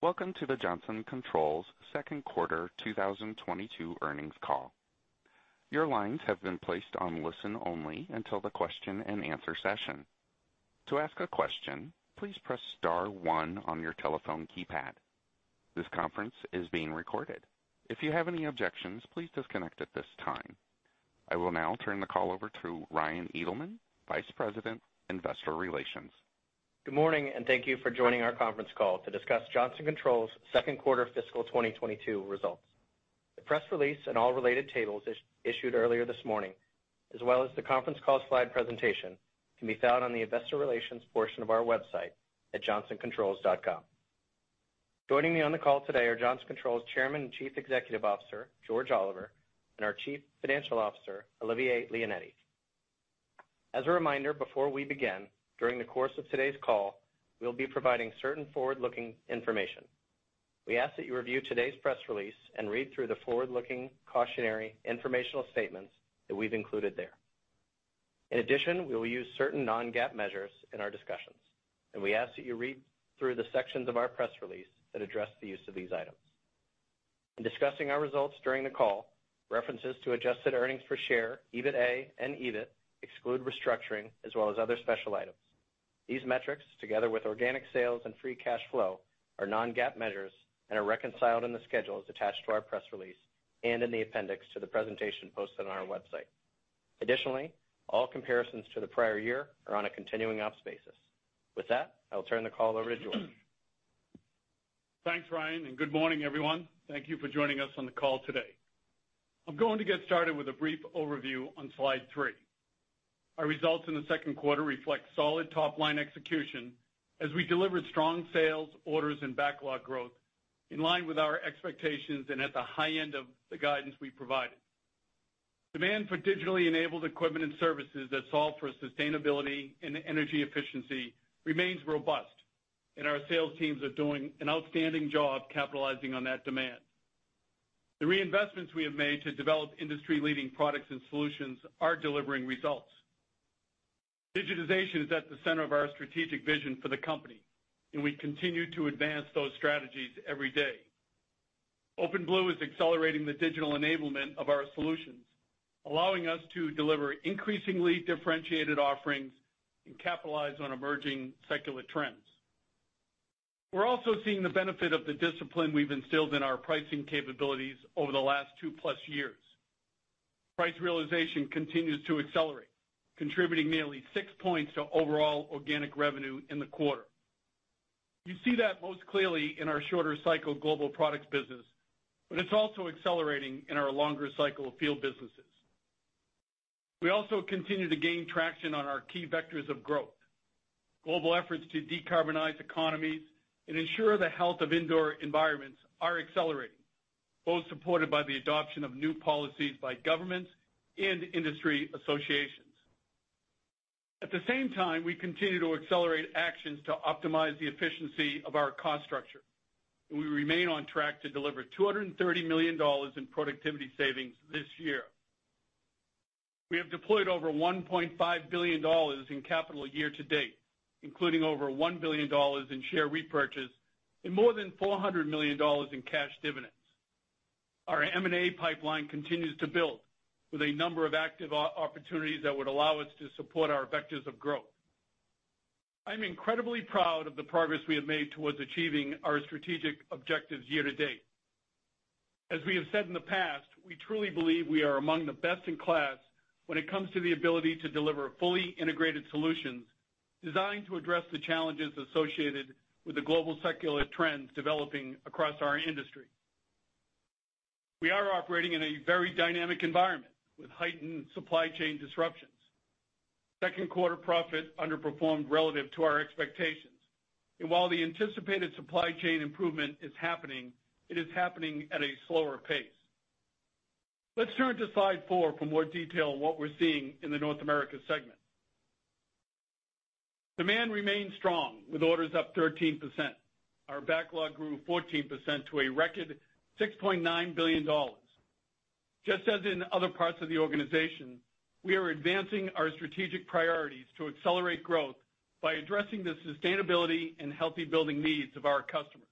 Welcome to the Johnson Controls second quarter 2022 earnings call. Your lines have been placed on listen only until the question-and-answer session. To ask a question, please press star one on your telephone keypad. This conference is being recorded. If you have any objections, please disconnect at this time. I will now turn the call over to Ryan Edelman, Vice President, Investor Relations. Good morning, and thank you for joining our conference call to discuss Johnson Controls second quarter fiscal 2022 results. The press release and all related tables were issued earlier this morning, as well as the conference call slide presentation, can be found on the investor relations portion of our website at johnsoncontrols.com. Joining me on the call today are Johnson Controls Chairman and Chief Executive Officer, George Oliver, and our Chief Financial Officer, Olivier Leonetti. As a reminder, before we begin, during the course of today's call, we'll be providing certain forward-looking information. We ask that you review today's press release and read through the forward-looking cautionary informational statements that we've included there. In addition, we will use certain non-GAAP measures in our discussions, and we ask that you read through the sections of our press release that address the use of these items. In discussing our results during the call, references to adjusted earnings per share, EBITA, and EBIT exclude restructuring as well as other special items. These metrics, together with organic sales and free cash flow, are non-GAAP measures and are reconciled in the schedules attached to our press release and in the appendix to the presentation posted on our website. Additionally, all comparisons to the prior year are on a continuing ops basis. With that, I will turn the call over to George. Thanks, Ryan, and good morning, everyone. Thank you for joining us on the call today. I'm going to get started with a brief overview on slide 3. Our results in the second quarter reflect solid top-line execution as we delivered strong sales, orders, and backlog growth in line with our expectations and at the high end of the guidance we provided. Demand for digitally enabled equipment and services that solve for sustainability and energy efficiency remains robust, and our sales teams are doing an outstanding job capitalizing on that demand. The reinvestments we have made to develop industry-leading products and solutions are delivering results. Digitization is at the center of our strategic vision for the company, and we continue to advance those strategies every day. OpenBlue is accelerating the digital enablement of our solutions, allowing us to deliver increasingly differentiated offerings and capitalize on emerging secular trends. We're also seeing the benefit of the discipline we've instilled in our pricing capabilities over the last 2+ years. Price realization continues to accelerate, contributing nearly 6 points to overall organic revenue in the quarter. You see that most clearly in our shorter cycle global products business, but it's also accelerating in our longer cycle field businesses. We also continue to gain traction on our key vectors of growth. Global efforts to decarbonize economies and ensure the health of indoor environments are accelerating, both supported by the adoption of new policies by governments and industry associations. At the same time, we continue to accelerate actions to optimize the efficiency of our cost structure. We remain on track to deliver $230 million in productivity savings this year. We have deployed over $1.5 billion in capital year to date, including over $1 billion in share repurchase and more than $400 million in cash dividends. Our M&A pipeline continues to build with a number of active opportunities that would allow us to support our vectors of growth. I'm incredibly proud of the progress we have made towards achieving our strategic objectives year to date. As we have said in the past, we truly believe we are among the best in class when it comes to the ability to deliver fully integrated solutions designed to address the challenges associated with the global secular trends developing across our industry. We are operating in a very dynamic environment with heightened supply chain disruptions. Second quarter profit underperformed relative to our expectations. While the anticipated supply chain improvement is happening, it is happening at a slower pace. Let's turn to slide 4 for more detail on what we're seeing in the North America segment. Demand remains strong with orders up 13%. Our backlog grew 14% to a record $6.9 billion. Just as in other parts of the organization, we are advancing our strategic priorities to accelerate growth by addressing the sustainability and healthy building needs of our customers.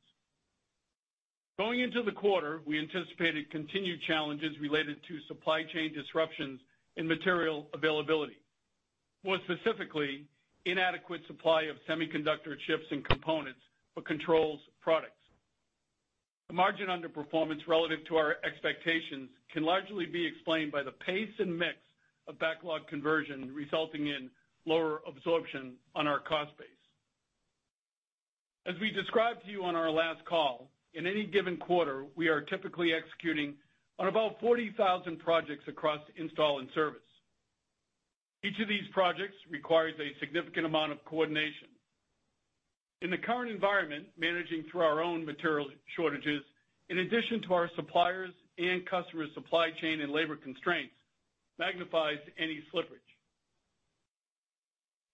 Going into the quarter, we anticipated continued challenges related to supply chain disruptions and material availability. More specifically, inadequate supply of semiconductor chips and components for controls products. The margin underperformance relative to our expectations can largely be explained by the pace and mix of backlog conversion resulting in lower absorption on our cost base. As we described to you on our last call, in any given quarter, we are typically executing on about 40,000 projects across install and service. Each of these projects requires a significant amount of coordination. In the current environment, managing through our own material shortages, in addition to our suppliers and customers' supply chain and labor constraints, magnifies any slippage.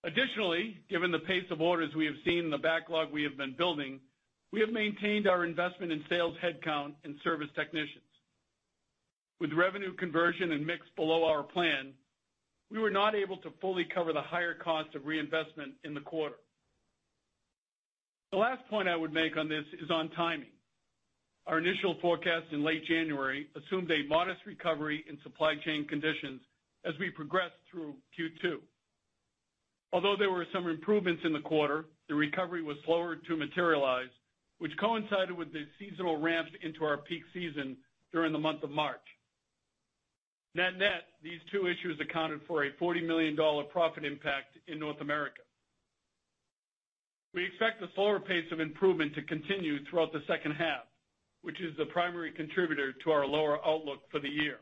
Additionally, given the pace of orders we have seen and the backlog we have been building, we have maintained our investment in sales headcount and service technicians. With revenue conversion and mix below our plan, we were not able to fully cover the higher cost of reinvestment in the quarter. The last point I would make on this is on timing. Our initial forecast in late January assumed a modest recovery in supply chain conditions as we progressed through Q2. Although there were some improvements in the quarter, the recovery was slower to materialize, which coincided with the seasonal ramp into our peak season during the month of March. Net-net, these two issues accounted for a $40 million profit impact in North America. We expect the slower pace of improvement to continue throughout the second half, which is the primary contributor to our lower outlook for the year.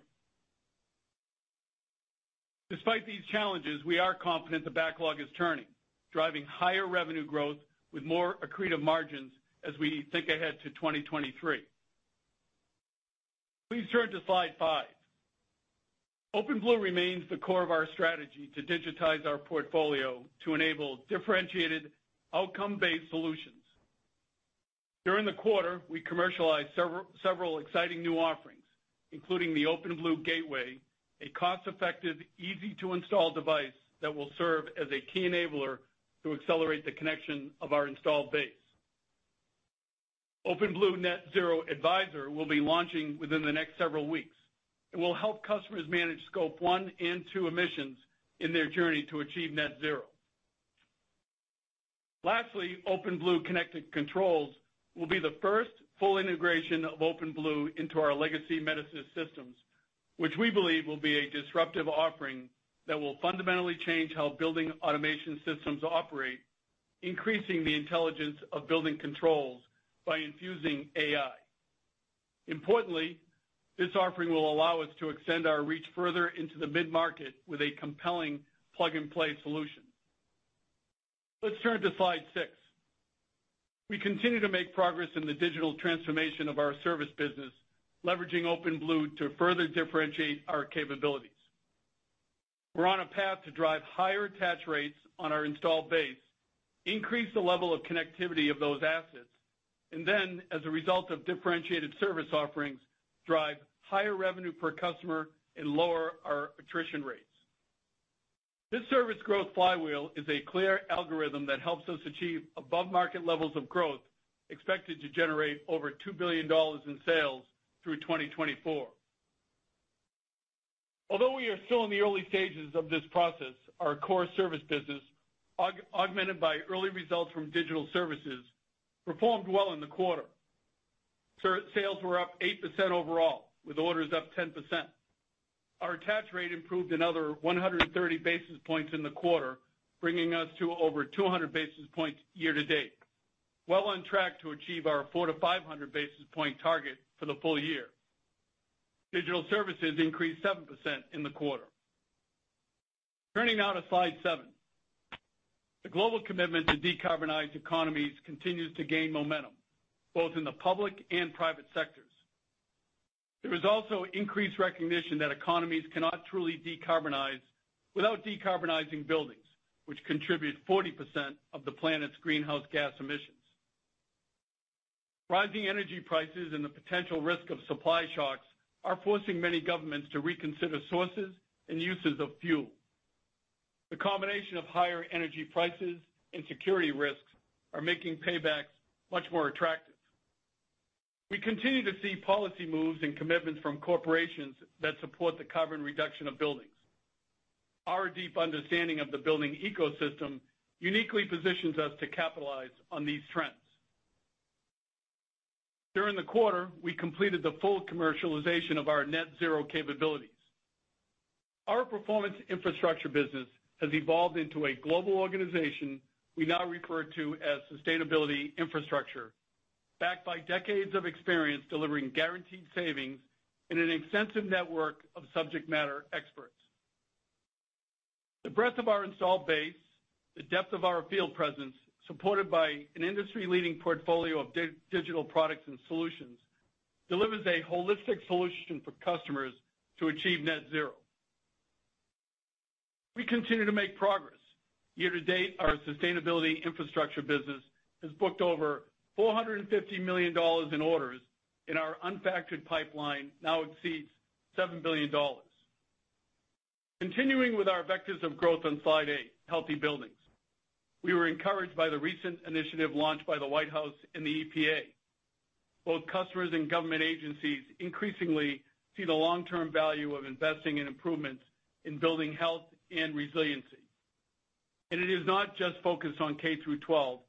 Despite these challenges, we are confident the backlog is turning, driving higher revenue growth with more accretive margins as we think ahead to 2023. Please turn to slide 5. OpenBlue remains the core of our strategy to digitize our portfolio to enable differentiated outcome-based solutions. During the quarter, we commercialized several exciting new offerings, including the OpenBlue Gateway, a cost-effective, easy-to-install device that will serve as a key enabler to accelerate the connection of our installed base. OpenBlue Net Zero Advisor will be launching within the next several weeks. It will help customers manage scope one and two emissions in their journey to achieve net zero. Lastly, OpenBlue Connected Controls will be the first full integration of OpenBlue into our legacy Metasys systems, which we believe will be a disruptive offering that will fundamentally change how building automation systems operate, increasing the intelligence of building controls by infusing AI. Importantly, this offering will allow us to extend our reach further into the mid-market with a compelling plug-and-play solution. Let's turn to slide six. We continue to make progress in the digital transformation of our service business, leveraging OpenBlue to further differentiate our capabilities. We're on a path to drive higher attach rates on our installed base, increase the level of connectivity of those assets, and then as a result of differentiated service offerings, drive higher revenue per customer and lower our attrition rates. This service growth flywheel is a clear algorithm that helps us achieve above-market levels of growth expected to generate over $2 billion in sales through 2024. Although we are still in the early stages of this process, our core service business augmented by early results from digital services performed well in the quarter. Sales were up 8% overall, with orders up 10%. Our attach rate improved another 130 basis points in the quarter, bringing us to over 200 basis points year to date. Well on track to achieve our 400-500 basis point target for the full year. Digital services increased 7% in the quarter. Turning now to slide 7. The global commitment to decarbonize economies continues to gain momentum, both in the public and private sectors. There is also increased recognition that economies cannot truly decarbonize without decarbonizing buildings, which contribute 40% of the planet's greenhouse gas emissions. Rising energy prices and the potential risk of supply shocks are forcing many governments to reconsider sources and uses of fuel. The combination of higher energy prices and security risks are making paybacks much more attractive. We continue to see policy moves and commitments from corporations that support the carbon reduction of buildings. Our deep understanding of the building ecosystem uniquely positions us to capitalize on these trends. During the quarter, we completed the full commercialization of our net zero capabilities. Our performance infrastructure business has evolved into a global organization we now refer to as sustainability infrastructure, backed by decades of experience delivering guaranteed savings in an extensive network of subject matter experts. The breadth of our installed base, the depth of our field presence, supported by an industry-leading portfolio of digital products and solutions, delivers a holistic solution for customers to achieve net zero. We continue to make progress. Year to date, our sustainability infrastructure business has booked over $450 million in orders, and our unfunded pipeline now exceeds $7 billion. Continuing with our vectors of growth on slide 8, healthy buildings. We were encouraged by the recent initiative launched by the White House and the EPA. Both customers and government agencies increasingly see the long-term value of investing in improvements in building health and resiliency. It is not just focused on K-12,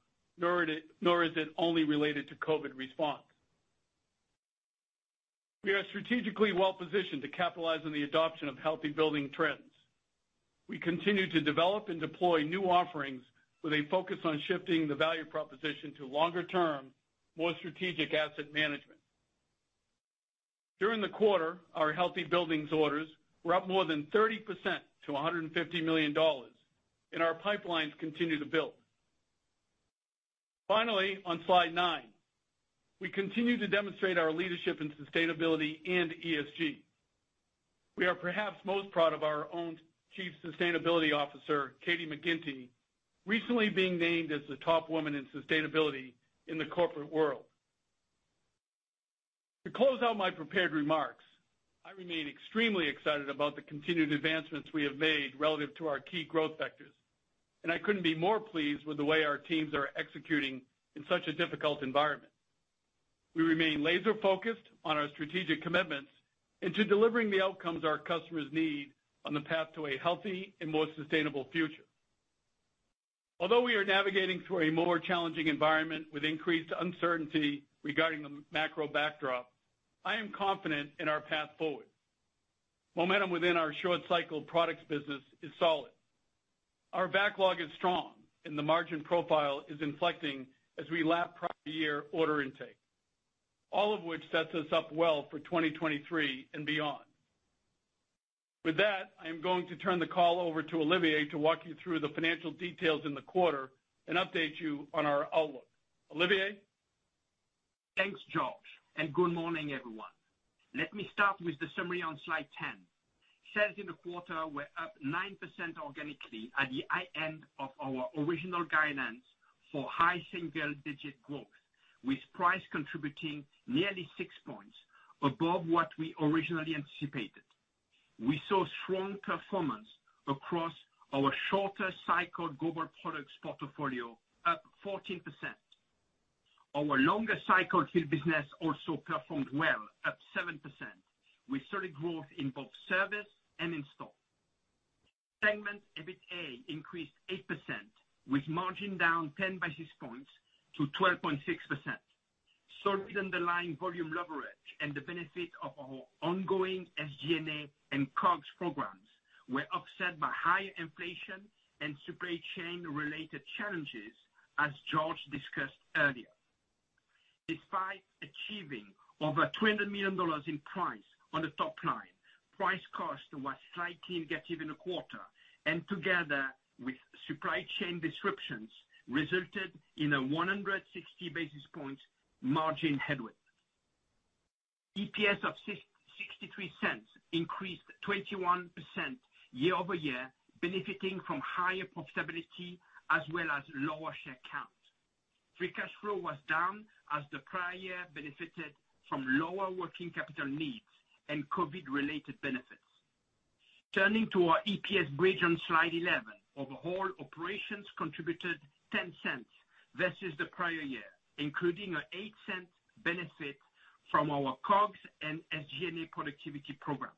nor is it only related to COVID response. We are strategically well positioned to capitalize on the adoption of healthy building trends. We continue to develop and deploy new offerings with a focus on shifting the value proposition to longer-term, more strategic asset management. During the quarter, our healthy buildings orders were up more than 30% to $150 million, and our pipelines continue to build. Finally, on slide nine, we continue to demonstrate our leadership in sustainability and ESG. We are perhaps most proud of our own Chief Sustainability Officer, Katie McGinty, recently being named as the top woman in sustainability in the corporate world. To close out my prepared remarks, I remain extremely excited about the continued advancements we have made relative to our key growth vectors, and I couldn't be more pleased with the way our teams are executing in such a difficult environment. We remain laser-focused on our strategic commitments and to delivering the outcomes our customers need on the path to a healthy and more sustainable future. Although we are navigating through a more challenging environment with increased uncertainty regarding the macro backdrop, I am confident in our path forward. Momentum within our short-cycle products business is solid. Our backlog is strong, and the margin profile is inflecting as we lap prior year order intake. All of which sets us up well for 2023 and beyond. With that, I am going to turn the call over to Olivier to walk you through the financial details in the quarter and update you on our outlook. Olivier? Thanks, George, and good morning, everyone. Let me start with the summary on slide 10. Sales in the quarter were up 9% organically at the high end of our original guidance for high single-digit growth, with price contributing nearly six points above what we originally anticipated. We saw strong performance across our shorter cycle global products portfolio up 14%. Our longer cycle field business also performed well up 7%. We saw growth in both service and install. Segment EBITA increased 8% with margin down 10 basis points to 12.6%. Solid underlying volume leverage and the benefit of our ongoing SG&A and COGS programs were upset by higher inflation and supply chain-related challenges, as George discussed earlier. Despite achieving over $200 million in price on the top line, price cost was slightly negative in the quarter, and together with supply chain disruptions, resulted in a 160 basis points margin headwind. EPS of $0.63 increased 21% year-over-year benefiting from higher profitability as well as lower share count. Free cash flow was down as the prior year benefited from lower working capital needs and COVID-related benefits. Turning to our EPS bridge on slide 11. Overall operations contributed $0.10 versus the prior year, including an $0.08 benefit from our COGS and SG&A productivity programs.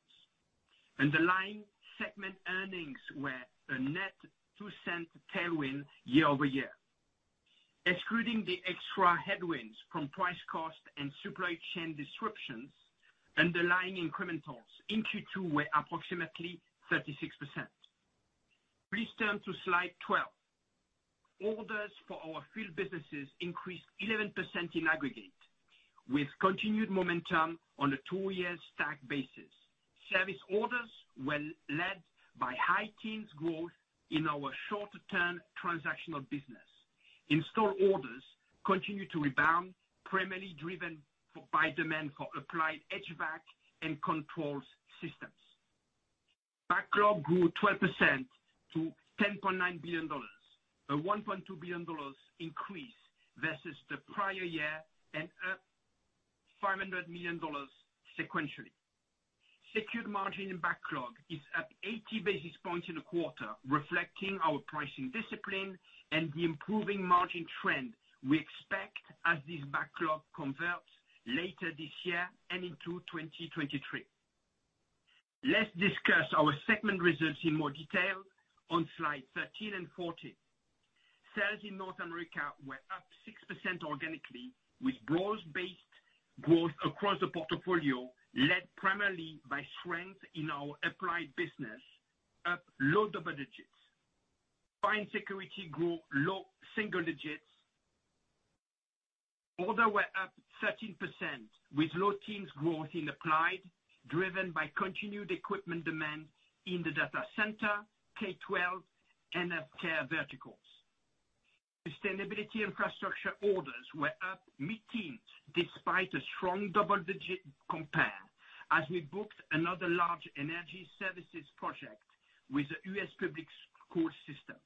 Underlying segment earnings were a net $0.02 tailwind year-over-year. Excluding the extra headwinds from price cost and supply chain disruptions, underlying incrementals in Q2 were approximately 36%. Please turn to slide 12. Orders for our field businesses increased 11% in aggregate with continued momentum on a two-year stack basis. Service orders were led by high teens growth in our shorter-term transactional business. Install orders continued to rebound, primarily driven by demand for applied HVAC and controls systems. Backlog grew 12% to $10.9 billion, a $1.2 billion increase versus the prior year and up $500 million sequentially. Secured margin in backlog is up 80 basis points in the quarter, reflecting our pricing discipline and the improving margin trend we expect as this backlog converts later this year and into 2023. Let's discuss our segment results in more detail on slides 13 and 14. Sales in North America were up 6% organically, with broad-based growth across the portfolio led primarily by strength in our applied business up low double digits. Fire and security grew low single digits. Orders were up 13%, with low teens growth in applied, driven by continued equipment demand in the data center, K12, and healthcare verticals. Sustainability infrastructure orders were up mid-teens despite a strong double-digit compare as we booked another large energy services project with the U.S. public school system.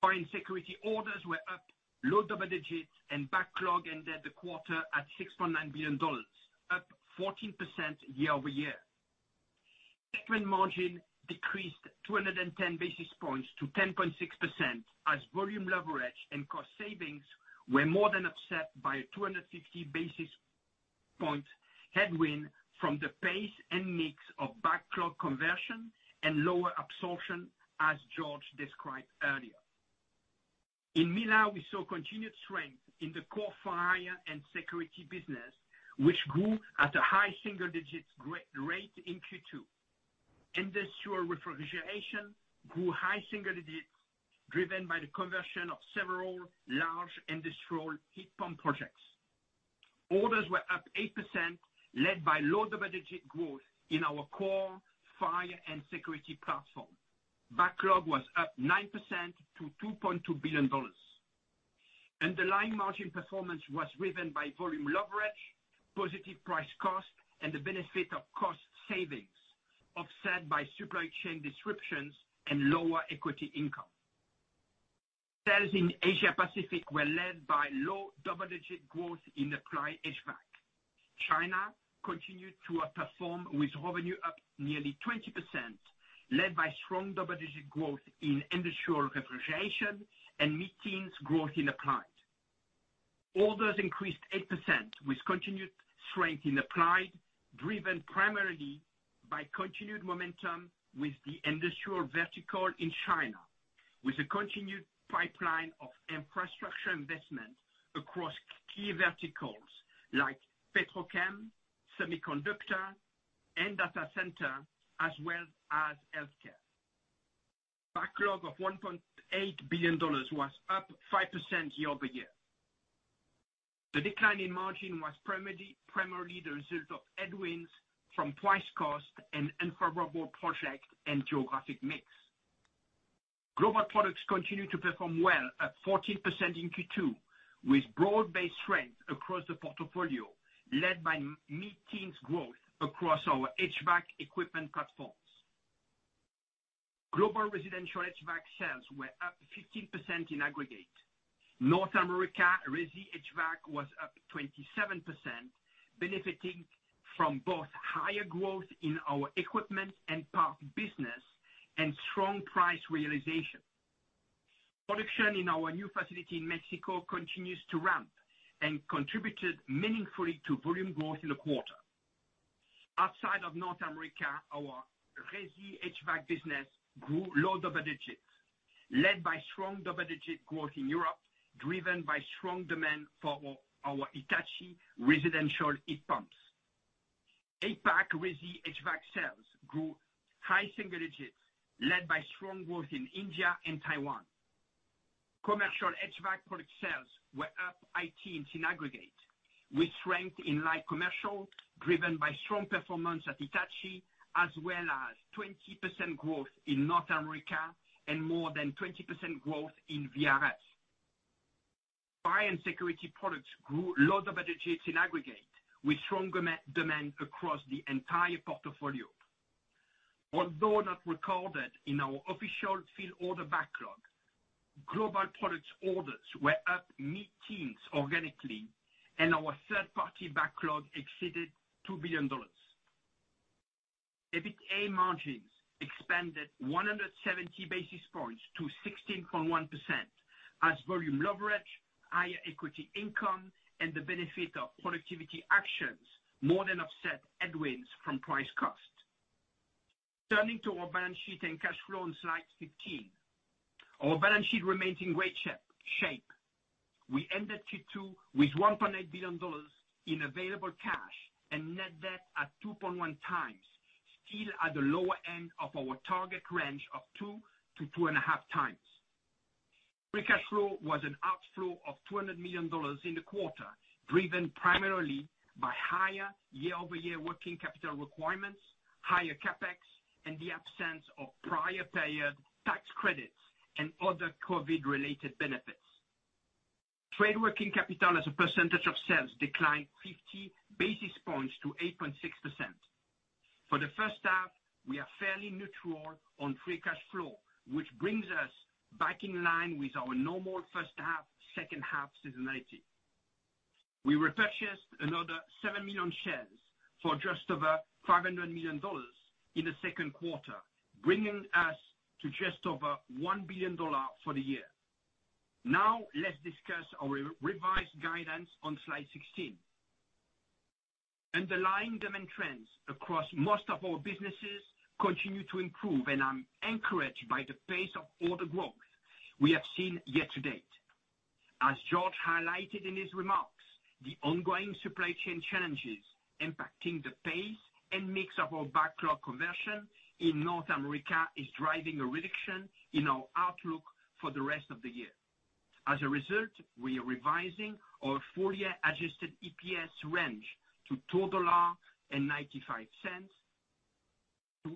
Fire and security orders were up low double digits and backlog ended the quarter at $6.9 billion, up 14% year-over-year. Segment margin decreased 210 basis points to 10.6% as volume leverage and cost savings were more than offset by a 250 basis points headwind from the pace and mix of backlog conversion and lower absorption, as George described earlier. EMEA/LA, we saw continued strength in the core fire and security business, which grew at a high single-digit growth rate in Q2. Industrial refrigeration grew high single digits, driven by the conversion of several large industrial heat pump projects. Orders were up 8%, led by low double-digit growth in our core fire and security platform. Backlog was up 9% to $2.2 billion. Underlying margin performance was driven by volume leverage, positive price cost, and the benefit of cost savings offset by supply chain disruptions and lower equity income. Sales in Asia Pacific were led by low double-digit growth in Applied HVAC. China continued to outperform with revenue up nearly 20% led by strong double-digit growth in industrial refrigeration and mid-teens growth in Applied. Orders increased 8% with continued strength in Applied, driven primarily by continued momentum with the industrial vertical in China, with a continued pipeline of infrastructure investment across key verticals like petrochem, semiconductor, and data center, as well as healthcare. Backlog of $1.8 billion was up 5% year-over-year. The decline in margin was primarily the result of headwinds from price cost and unfavorable project and geographic mix. Global products continue to perform well at 14% in Q2, with broad-based strength across the portfolio led by mid-teens growth across our HVAC equipment platforms. Global residential HVAC sales were up 15% in aggregate. North America resi HVAC was up 27%, benefiting from both higher growth in our equipment and parts business and strong price realization. Production in our new facility in Mexico continues to ramp and contributed meaningfully to volume growth in the quarter. Outside of North America, our resi HVAC business grew low double digits, led by strong double-digit growth in Europe, driven by strong demand for our Hitachi residential heat pumps. APAC resi HVAC sales grew high single digits led by strong growth in India and Taiwan. Commercial HVAC product sales were up high teens in aggregate, with strength in light commercial, driven by strong performance at Hitachi, as well as 20% growth in North America and more than 20% growth in VRF. Fire and security products grew low double digits in aggregate with strong demand across the entire portfolio. Although not recorded in our official field order backlog, global products orders were up mid-teens organically and our third-party backlog exceeded $2 billion. EBITDA margins expanded 170 basis points to 16.1% as volume leverage, higher equity income, and the benefit of productivity actions more than offset headwinds from price cost. Turning to our balance sheet and cash flow on slide 15. Our balance sheet remains in great shape. We ended Q2 with $1.8 billion in available cash and net debt at 2.1 times, still at the lower end of our target range of 2-2.5 times. Free cash flow was an outflow of $200 million in the quarter, driven primarily by higher year-over-year working capital requirements, higher CapEx, and the absence of prior year tax credits and other COVID-related benefits. Trade working capital as a percentage of sales declined 50 basis points to 8.6%. For the first half, we are fairly neutral on free cash flow, which brings us back in line with our normal first half, second half seasonality. We repurchased another 7 million shares for just over $500 million in the second quarter, bringing us to just over $1 billion for the year. Now let's discuss our revised guidance on slide 16. Underlying demand trends across most of our businesses continue to improve, and I'm encouraged by the pace of order growth we have seen year to date. As George highlighted in his remarks, the ongoing supply chain challenges impacting the pace and mix of our backlog conversion in North America is driving a reduction in our outlook for the rest of the year. As a result, we are revising our full-year adjusted EPS range to $2.95-$3.05,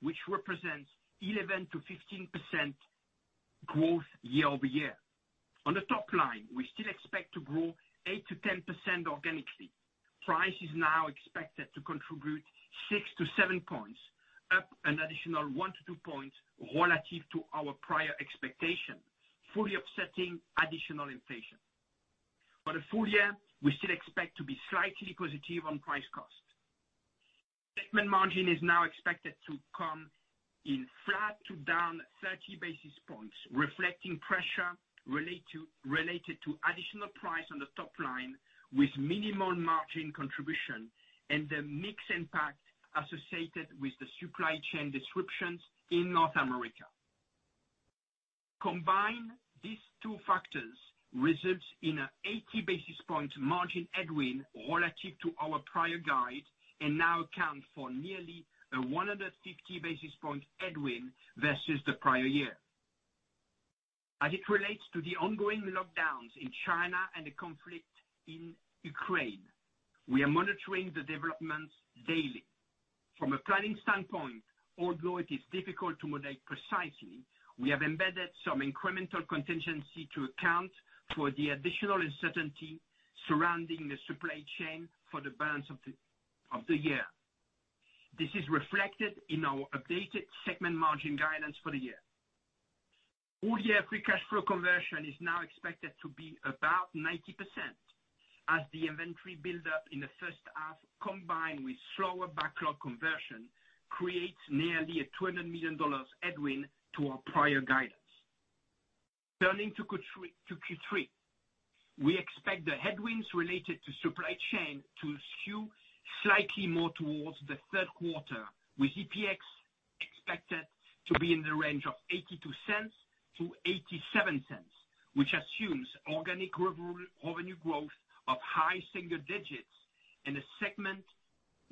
which represents 11%-15% growth year-over-year. On the top line, we still expect to grow 8%-10% organically. Price is now expected to contribute 6-7 points, up an additional 1-2 points relative to our prior expectation, fully offsetting additional inflation. For the full year, we still expect to be slightly positive on price cost. Segment margin is now expected to come in flat to down 30 basis points, reflecting pressure related to additional price on the top line with minimum margin contribution and the mix impact associated with the supply chain disruptions in North America. Combining these two factors results in an 80 basis points margin headwind relative to our prior guide and now accounts for nearly a 150 basis points headwind versus the prior year. As it relates to the ongoing lockdowns in China and the conflict in Ukraine, we are monitoring the developments daily. From a planning standpoint, although it is difficult to quantify precisely, we have embedded some incremental contingency to account for the additional uncertainty surrounding the supply chain for the balance of the year. This is reflected in our updated segment margin guidance for the year. Full year free cash flow conversion is now expected to be about 90% as the inventory build up in the first half, combined with slower backlog conversion, creates nearly a $200 million headwind to our prior guidance. Turning to Q2 to Q3. We expect the headwinds related to supply chain to skew slightly more towards the third quarter, with EPS expected to be in the range of $0.82-$0.87, which assumes organic revenue growth of high single digits and a segment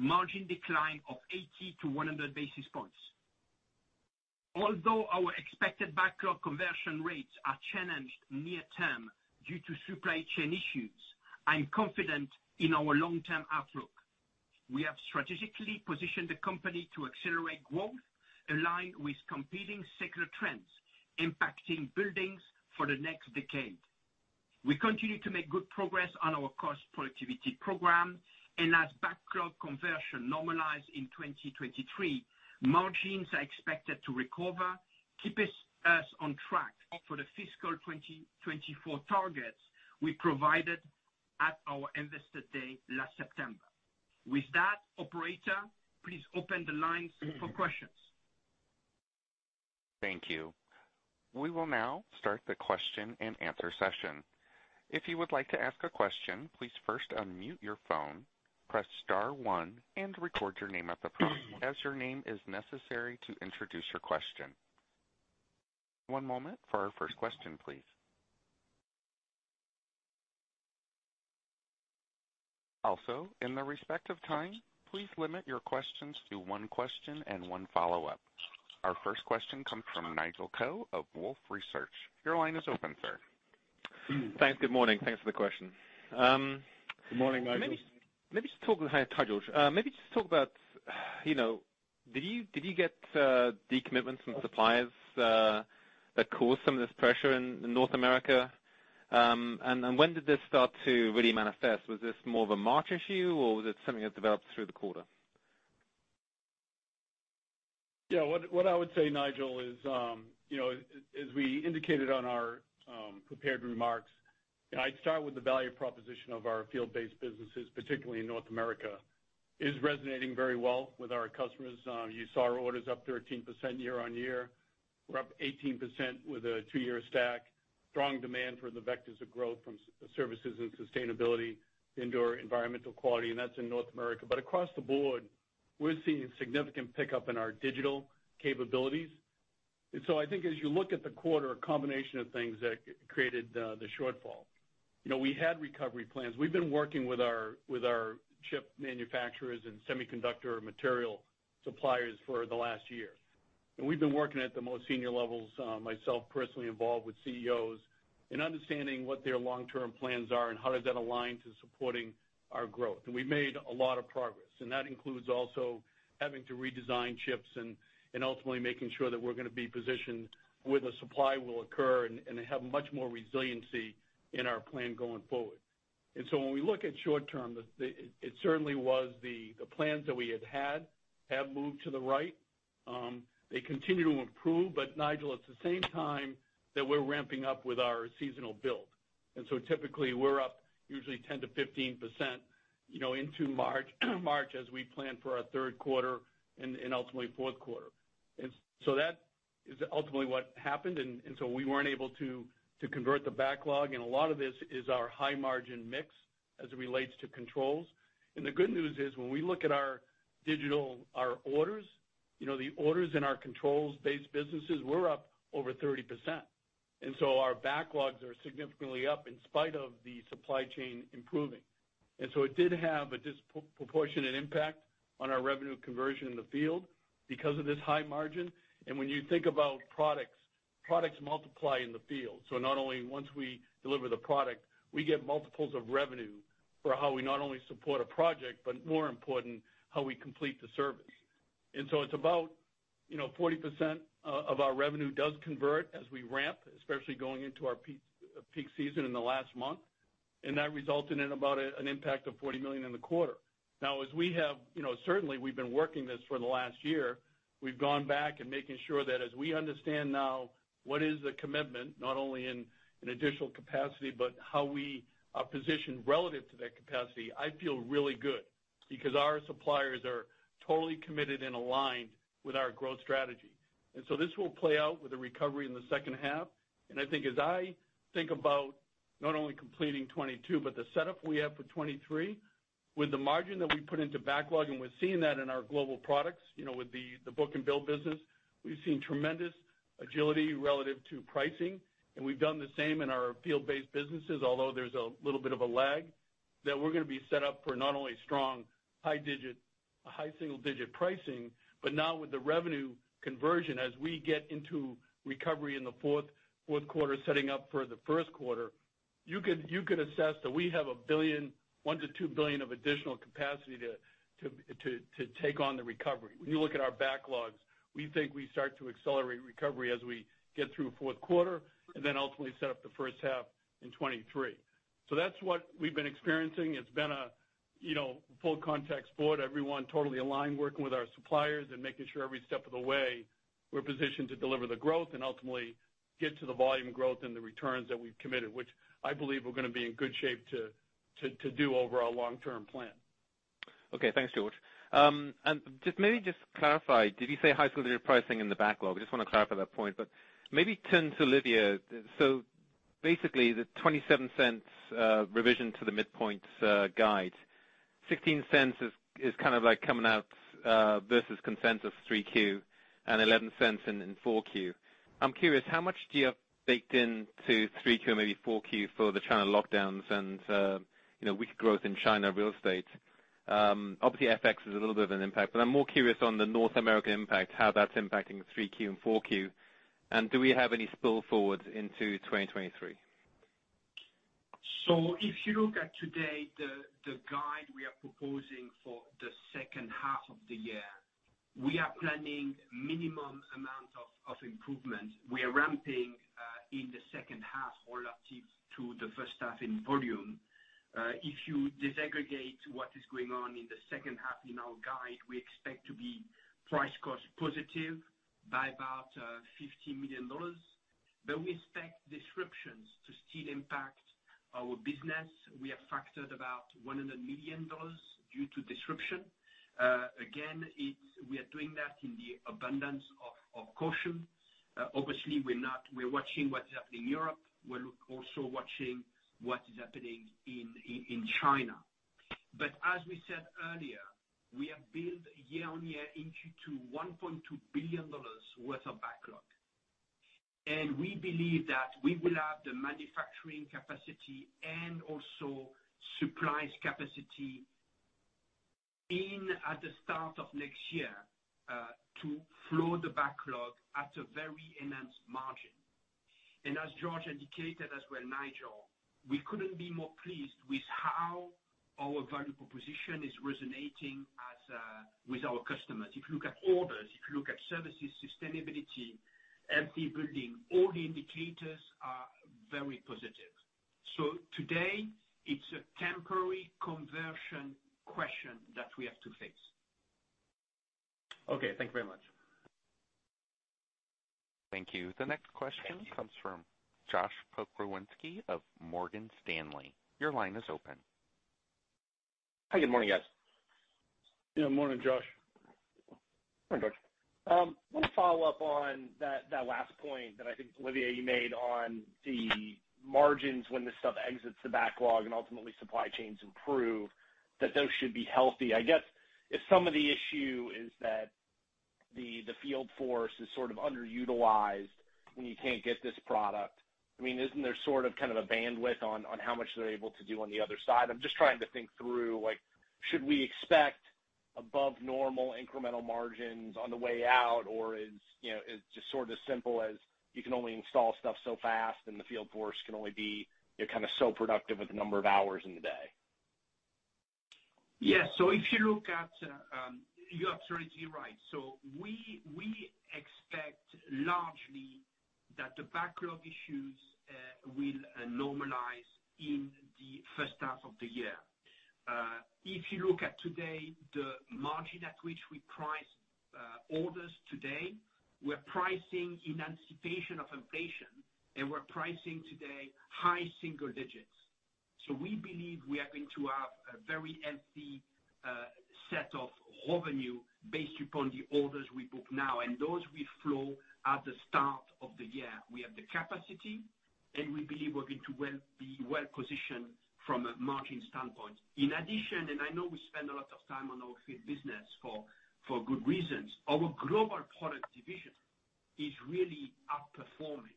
margin decline of 80-100 basis points. Although our expected backlog conversion rates are challenged near term due to supply chain issues, I'm confident in our long term outlook. We have strategically positioned the company to accelerate growth aligned with competing secular trends impacting buildings for the next decade. We continue to make good progress on our cost productivity program, and as backlog conversion normalize in 2023, margins are expected to recover, keeping us on track for the fiscal 2024 targets we provided at our Investor Day last September. With that, operator, please open the lines for questions. Thank you. We will now start the question and answer session. If you would like to ask a question, please first unmute your phone, press star one and record your name at the prompt as your name is necessary to introduce your question. One moment for our first question, please. Also, in the respect of time, please limit your questions to one question and one follow-up. Our first question comes from Nigel Coe of Wolfe Research. Your line is open, sir. Thanks. Good morning. Thanks for the question. Good morning, Nigel. Hi. Hi, George. Maybe just talk about, you know, did you get decommitments from suppliers that caused some of this pressure in North America? And when did this start to really manifest? Was this more of a March issue or was it something that developed through the quarter? Yeah. What I would say, Nigel, is, you know, as we indicated on our prepared remarks, I'd start with the value proposition of our field-based businesses, particularly in North America, is resonating very well with our customers. You saw our orders up 13% year-on-year. We're up 18% with a two-year stack. Strong demand for the vectors of growth from services and sustainability, indoor environmental quality, and that's in North America. Across the board, we're seeing significant pickup in our digital capabilities. I think as you look at the quarter, a combination of things that created the shortfall. You know, we had recovery plans. We've been working with our chip manufacturers and semiconductor material suppliers for the last year. We've been working at the most senior levels, myself personally involved with CEOs in understanding what their long-term plans are and how does that align to supporting our growth. We've made a lot of progress, and that includes also having to redesign chips and ultimately making sure that we're gonna be positioned where the supply will occur and have much more resiliency in our plan going forward. When we look at short term, it certainly was the plans that we had have moved to the right. They continue to improve. Nigel, at the same time that we're ramping up with our seasonal build. Typically we're up usually 10%-15%, you know, into March as we plan for our third quarter and ultimately fourth quarter. That is ultimately what happened. We weren't able to convert the backlog. A lot of this is our high margin mix as it relates to controls. The good news is, when we look at our digital, our orders, you know, the orders in our controls-based businesses were up over 30%. Our backlogs are significantly up in spite of the supply chain improving. It did have a disproportionate impact on our revenue conversion in the field because of this high margin. When you think about products multiply in the field. Not only once we deliver the product, we get multiples of revenue for how we not only support a project, but more important how we complete the service. It's about, you know, 40% of our revenue does convert as we ramp, especially going into our peak season in the last month. That resulted in about an impact of $40 million in the quarter. Now, as we have, you know, certainly we've been working this for the last year. We've gone back and making sure that as we understand now what is the commitment, not only in additional capacity, but how we are positioned relative to that capacity, I feel really good because our suppliers are totally committed and aligned with our growth strategy. This will play out with a recovery in the second half. I think as I think about not only completing 2022, but the setup we have for 2023, with the margin that we put into backlog, and we're seeing that in our global products, you know, with the book-to-bill business. We've seen tremendous agility relative to pricing, and we've done the same in our field-based businesses, although there's a little bit of a lag, that we're gonna be set up for not only strong high single-digit pricing. But now with the revenue conversion, as we get into recovery in the fourth quarter, setting up for the first quarter, you could assess that we have $1-$2 billion of additional capacity to take on the recovery. When you look at our backlogs, we think we start to accelerate recovery as we get through fourth quarter and then ultimately set up the first half in 2023. That's what we've been experiencing. It's been a, you know, full contact sport, everyone totally aligned, working with our suppliers and making sure every step of the way we're positioned to deliver the growth and ultimately get to the volume growth and the returns that we've committed, which I believe we're gonna be in good shape to do over our long-term plan. Okay. Thanks, George. Just maybe clarify, did you say high single-digit pricing in the backlog? I just want to clarify that point, but maybe turn to Olivier. Basically the $0.27 revision to the midpoints guide, $0.16 is kind of like coming out versus consensus 3Q and $0.11 in 4Q. I'm curious, how much do you have baked in to 3Q, maybe 4Q for the China lockdowns and, you know, weak growth in China real estate? Obviously FX is a little bit of an impact, but I'm more curious on the North American impact, how that's impacting 3Q and 4Q. Do we have any spillovers into 2023? If you look at today, the guide we are proposing for the second half of the year, we are planning minimum amount of improvement. We are ramping in the second half relative to the first half in volume. If you disaggregate what is going on in the second half in our guide, we expect to be price cost positive by about $50 million, but we expect disruptions to still impact our business. We have factored about $100 million due to disruption. Again, it is in the abundance of caution. Obviously, we are watching what is happening in Europe. We are also watching what is happening in China. As we said earlier, we have built year-on-year into $1.2 billion worth of backlog. We believe that we will have the manufacturing capacity and also supplies capacity in at the start of next year to flow the backlog at a very enhanced margin. As George indicated as well, Nigel, we couldn't be more pleased with how our value proposition is resonating with our customers. If you look at orders, if you look at services, sustainability, healthy building, all the indicators are very positive. Today it's a temporary conversion question that we have to face. Okay. Thank you very much. Thank you. The next question comes from Josh Pokrzywinski of Morgan Stanley. Your line is open. Hi, good morning, guys. Good morning, Josh. Morning, Josh. Want to follow up on that last point that I think, Olivier, you made on the margins when this stuff exits the backlog and ultimately supply chains improve, that those should be healthy. I guess if some of the issue is that the field force is sort of underutilized when you can't get this product, I mean, isn't there sort of, kind of a bandwidth on how much they're able to do on the other side? I'm just trying to think through, like, should we expect above normal incremental margins on the way out or is, you know, is it just sort of simple as you can only install stuff so fast and the field force can only be, you know, kind of so productive with the number of hours in the day? Yes. If you look at, you're absolutely right. We expect largely that the backlog issues will normalize in the first half of the year. If you look at today, the margin at which we price orders today, we're pricing in anticipation of inflation, and we're pricing today high single digits. We believe we are going to have a very healthy set of revenue based upon the orders we book now, and those will flow at the start of the year. We have the capacity, and we believe we're going to be well positioned from a margin standpoint. In addition, I know we spend a lot of time on our field business for good reasons, our global product division is really outperforming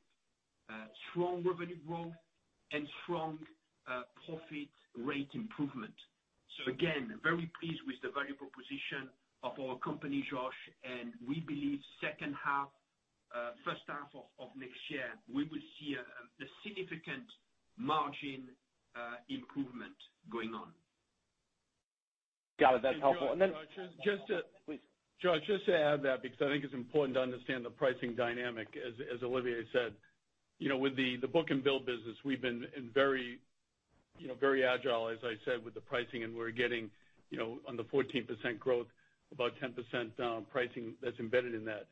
strong revenue growth and strong profit rate improvement. Again, very pleased with the value proposition of our company, Josh, and we believe second half, first half of next year, we will see a significant margin improvement going on. Got it. That's helpful. Just to- Please. Josh, just to add that, because I think it's important to understand the pricing dynamic. As Olivier said, you know, with the book and bill business, we've been in very, you know, very agile, as I said, with the pricing. We're getting, you know, on the 14% growth, about 10% pricing that's embedded in that.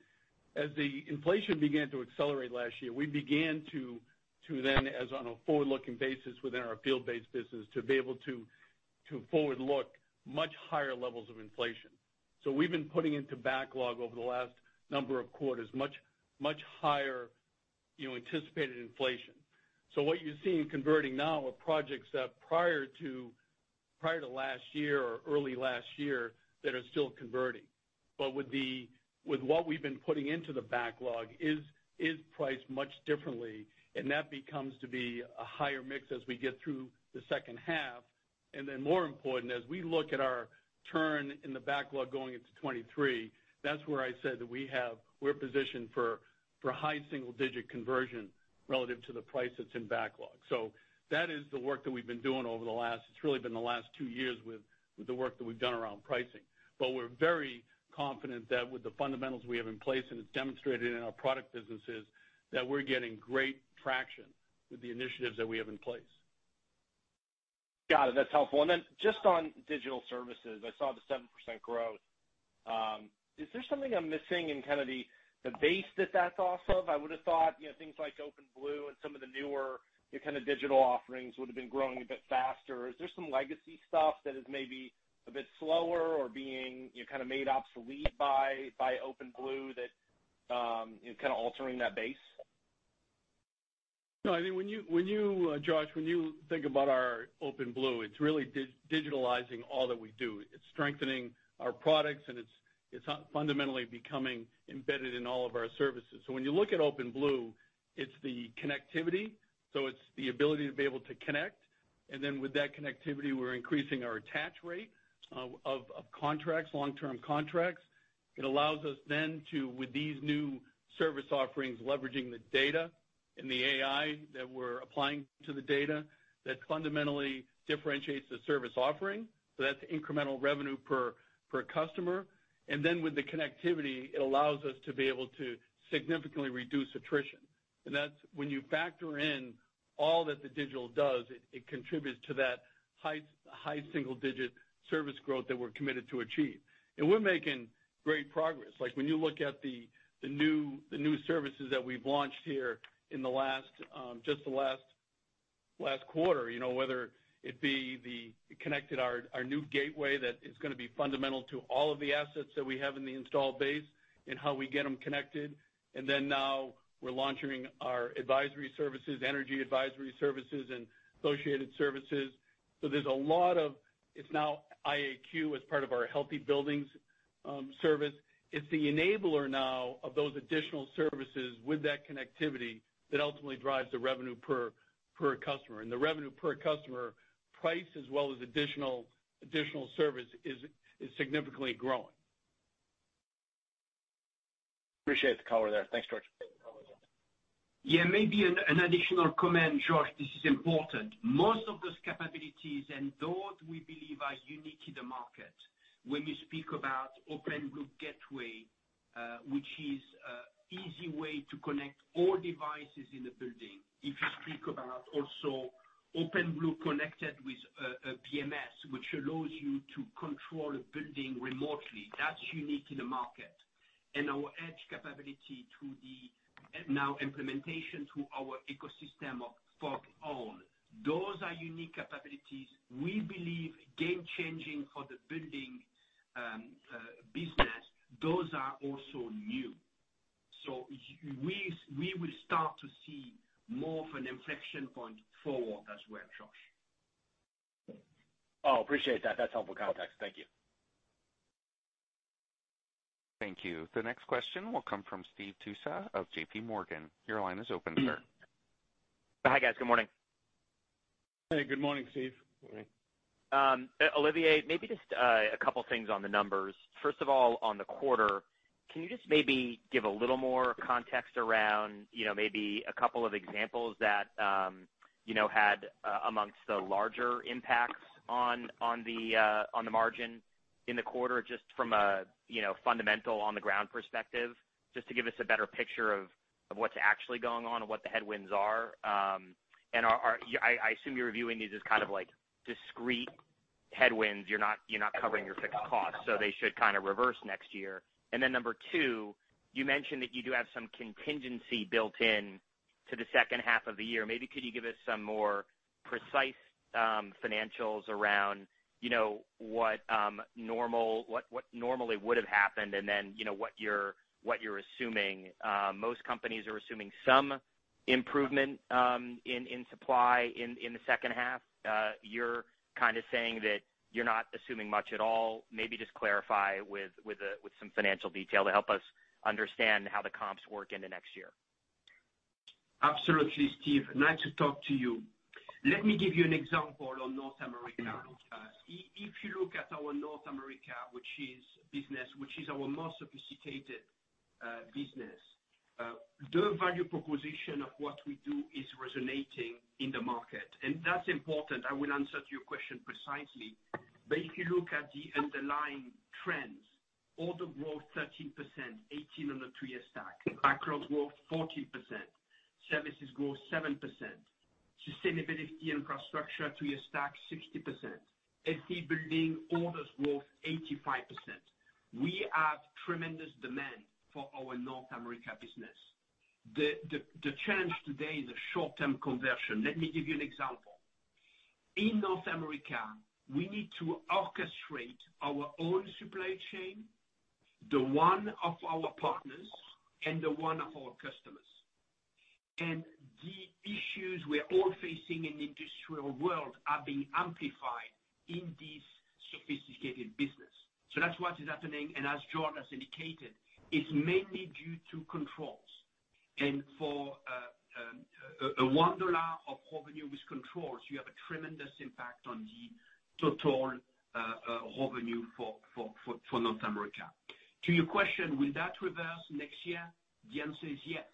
As the inflation began to accelerate last year, we began to then, on a forward-looking basis within our field-based business, to be able to forward look much higher levels of inflation. We've been putting into backlog over the last number of quarters, much higher, you know, anticipated inflation. What you're seeing converting now are projects that prior to last year or early last year that are still converting. With what we've been putting into the backlog is priced much differently, and that becomes a higher mix as we get through the second half. Then more important, as we look at our turn in the backlog going into 2023, that's where I said that we're positioned for high single digit conversion relative to the price that's in backlog. That is the work that we've been doing over the last, it's really been the last two years with the work that we've done around pricing. We're very confident that with the fundamentals we have in place, and it's demonstrated in our product businesses, that we're getting great traction with the initiatives that we have in place. Got it. That's helpful. Then just on digital services, I saw the 7% growth. Is there something I'm missing in kind of the base that that's off of? I would've thought, you know, things like OpenBlue and some of the newer, you know, kind of digital offerings would've been growing a bit faster. Is there some legacy stuff that is maybe a bit slower or being, you know, kind of made obsolete by OpenBlue that, you know, kind of altering that base? No, I think, Josh, when you think about our OpenBlue, it's really digitalizing all that we do. It's strengthening our products, and it's fundamentally becoming embedded in all of our services. When you look at OpenBlue, it's the connectivity, it's the ability to be able to connect. Then with that connectivity, we're increasing our attach rate of contracts, long-term contracts. It allows us then to, with these new service offerings, leveraging the data and the AI that we're applying to the data, that fundamentally differentiates the service offering. That's incremental revenue per customer. Then with the connectivity, it allows us to be able to significantly reduce attrition. That's when you factor in all that the digital does, it contributes to that high single-digit service growth that we're committed to achieve. We're making great progress. Like, when you look at the new services that we've launched here in the last quarter, you know, whether it be the Connected, our new gateway that is gonna be fundamental to all of the assets that we have in the installed base and how we get them connected. Then now we're launching our advisory services, energy advisory services, and associated services. It's now IAQ as part of our healthy buildings service. It's the enabler now of those additional services with that connectivity that ultimately drives the revenue per customer. The revenue per customer price as well as additional service is significantly growing. Appreciate the color there. Thanks, George. Yeah, maybe an additional comment, Josh. This is important. Most of those capabilities, and those we believe are unique in the market. When we speak about OpenBlue Gateway, which is an easy way to connect all devices in the building. If you speak about also OpenBlue Connected with a BMS, which allows you to control a building remotely, that's unique in the market. Our edge capability to the new implementation to our ecosystem of FogHorn. Those are unique capabilities we believe game changing for the building business. Those are also new. We will start to see more of an inflection point forward as well, Josh. Oh, appreciate that. That's helpful context. Thank you. Thank you. The next question will come from Steve Tusa of J.P. Morgan. Your line is open, sir. Hi, guys. Good morning. Hey, good morning, Steve. Morning. Olivier, maybe just a couple things on the numbers. First of all, on the quarter, can you just maybe give a little more context around, you know, maybe a couple of examples that, you know, had among the larger impacts on the margin in the quarter, just from a, you know, fundamental on-the-ground perspective, just to give us a better picture of what's actually going on and what the headwinds are. I assume you're viewing these as kind of like discrete headwinds. You're not covering your fixed costs, so they should kind of reverse next year. Then number two, you mentioned that you do have some contingency built in to the second half of the year. Maybe could you give us some more precise financials around, you know, what normally would have happened and then, you know, what you're assuming. Most companies are assuming some improvement in supply in the second half. You're kind of saying that you're not assuming much at all. Maybe just clarify with some financial detail to help us understand how the comps work in the next year. Absolutely, Steve. Nice to talk to you. Let me give you an example on North America. If you look at our North America business, which is our most sophisticated business, the value proposition of what we do is resonating in the market. That's important. I will answer to your question precisely. If you look at the underlying trends, order growth 13%, 18% on a three-year stack. Backlog growth, 14%. Services growth, 7%. Sustainability and infrastructure, three-year stack, 60%. Healthy Building orders growth, 85%. We have tremendous demand for our North America business. The challenge today is the short-term conversion. Let me give you an example. In North America, we need to orchestrate our own supply chain, the one of our partners, and the one of our customers. The issues we're all facing in the industrial world are being amplified in this sophisticated business. That's what is happening. As George has indicated, it's mainly due to controls. For a $1 of revenue is controlled, so you have a tremendous impact on the total revenue for North America. To your question, will that reverse next year? The answer is yes.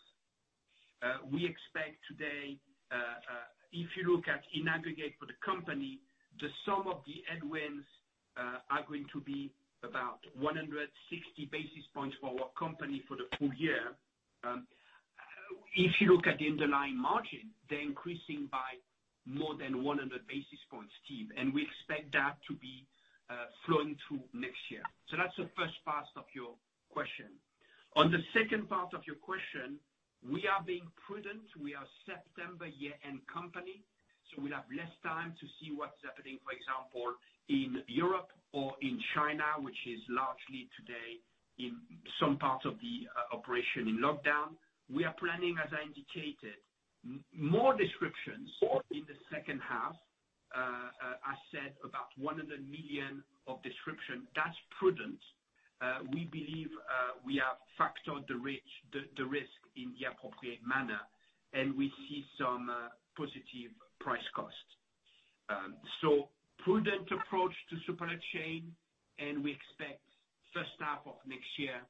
We expect today, if you look at in aggregate for the company, the sum of the headwinds are going to be about 160 basis points for our company for the full year. If you look at the underlying margin, they're increasing by more than 100 basis points, Steve, and we expect that to be flowing through next year. That's the first part of your question. On the second part of your question, we are being prudent. We are September year-end company, so we'll have less time to see what's happening, for example, in Europe or in China, which is largely today in some parts of the operation in lockdown. We are planning, as I indicated, more disruptions in the second half. I said about $100 million of disruption. That's prudent. We believe we have factored the risk in the appropriate manner, and we see some positive price cost. Prudent approach to supply chain, and we expect first half of next year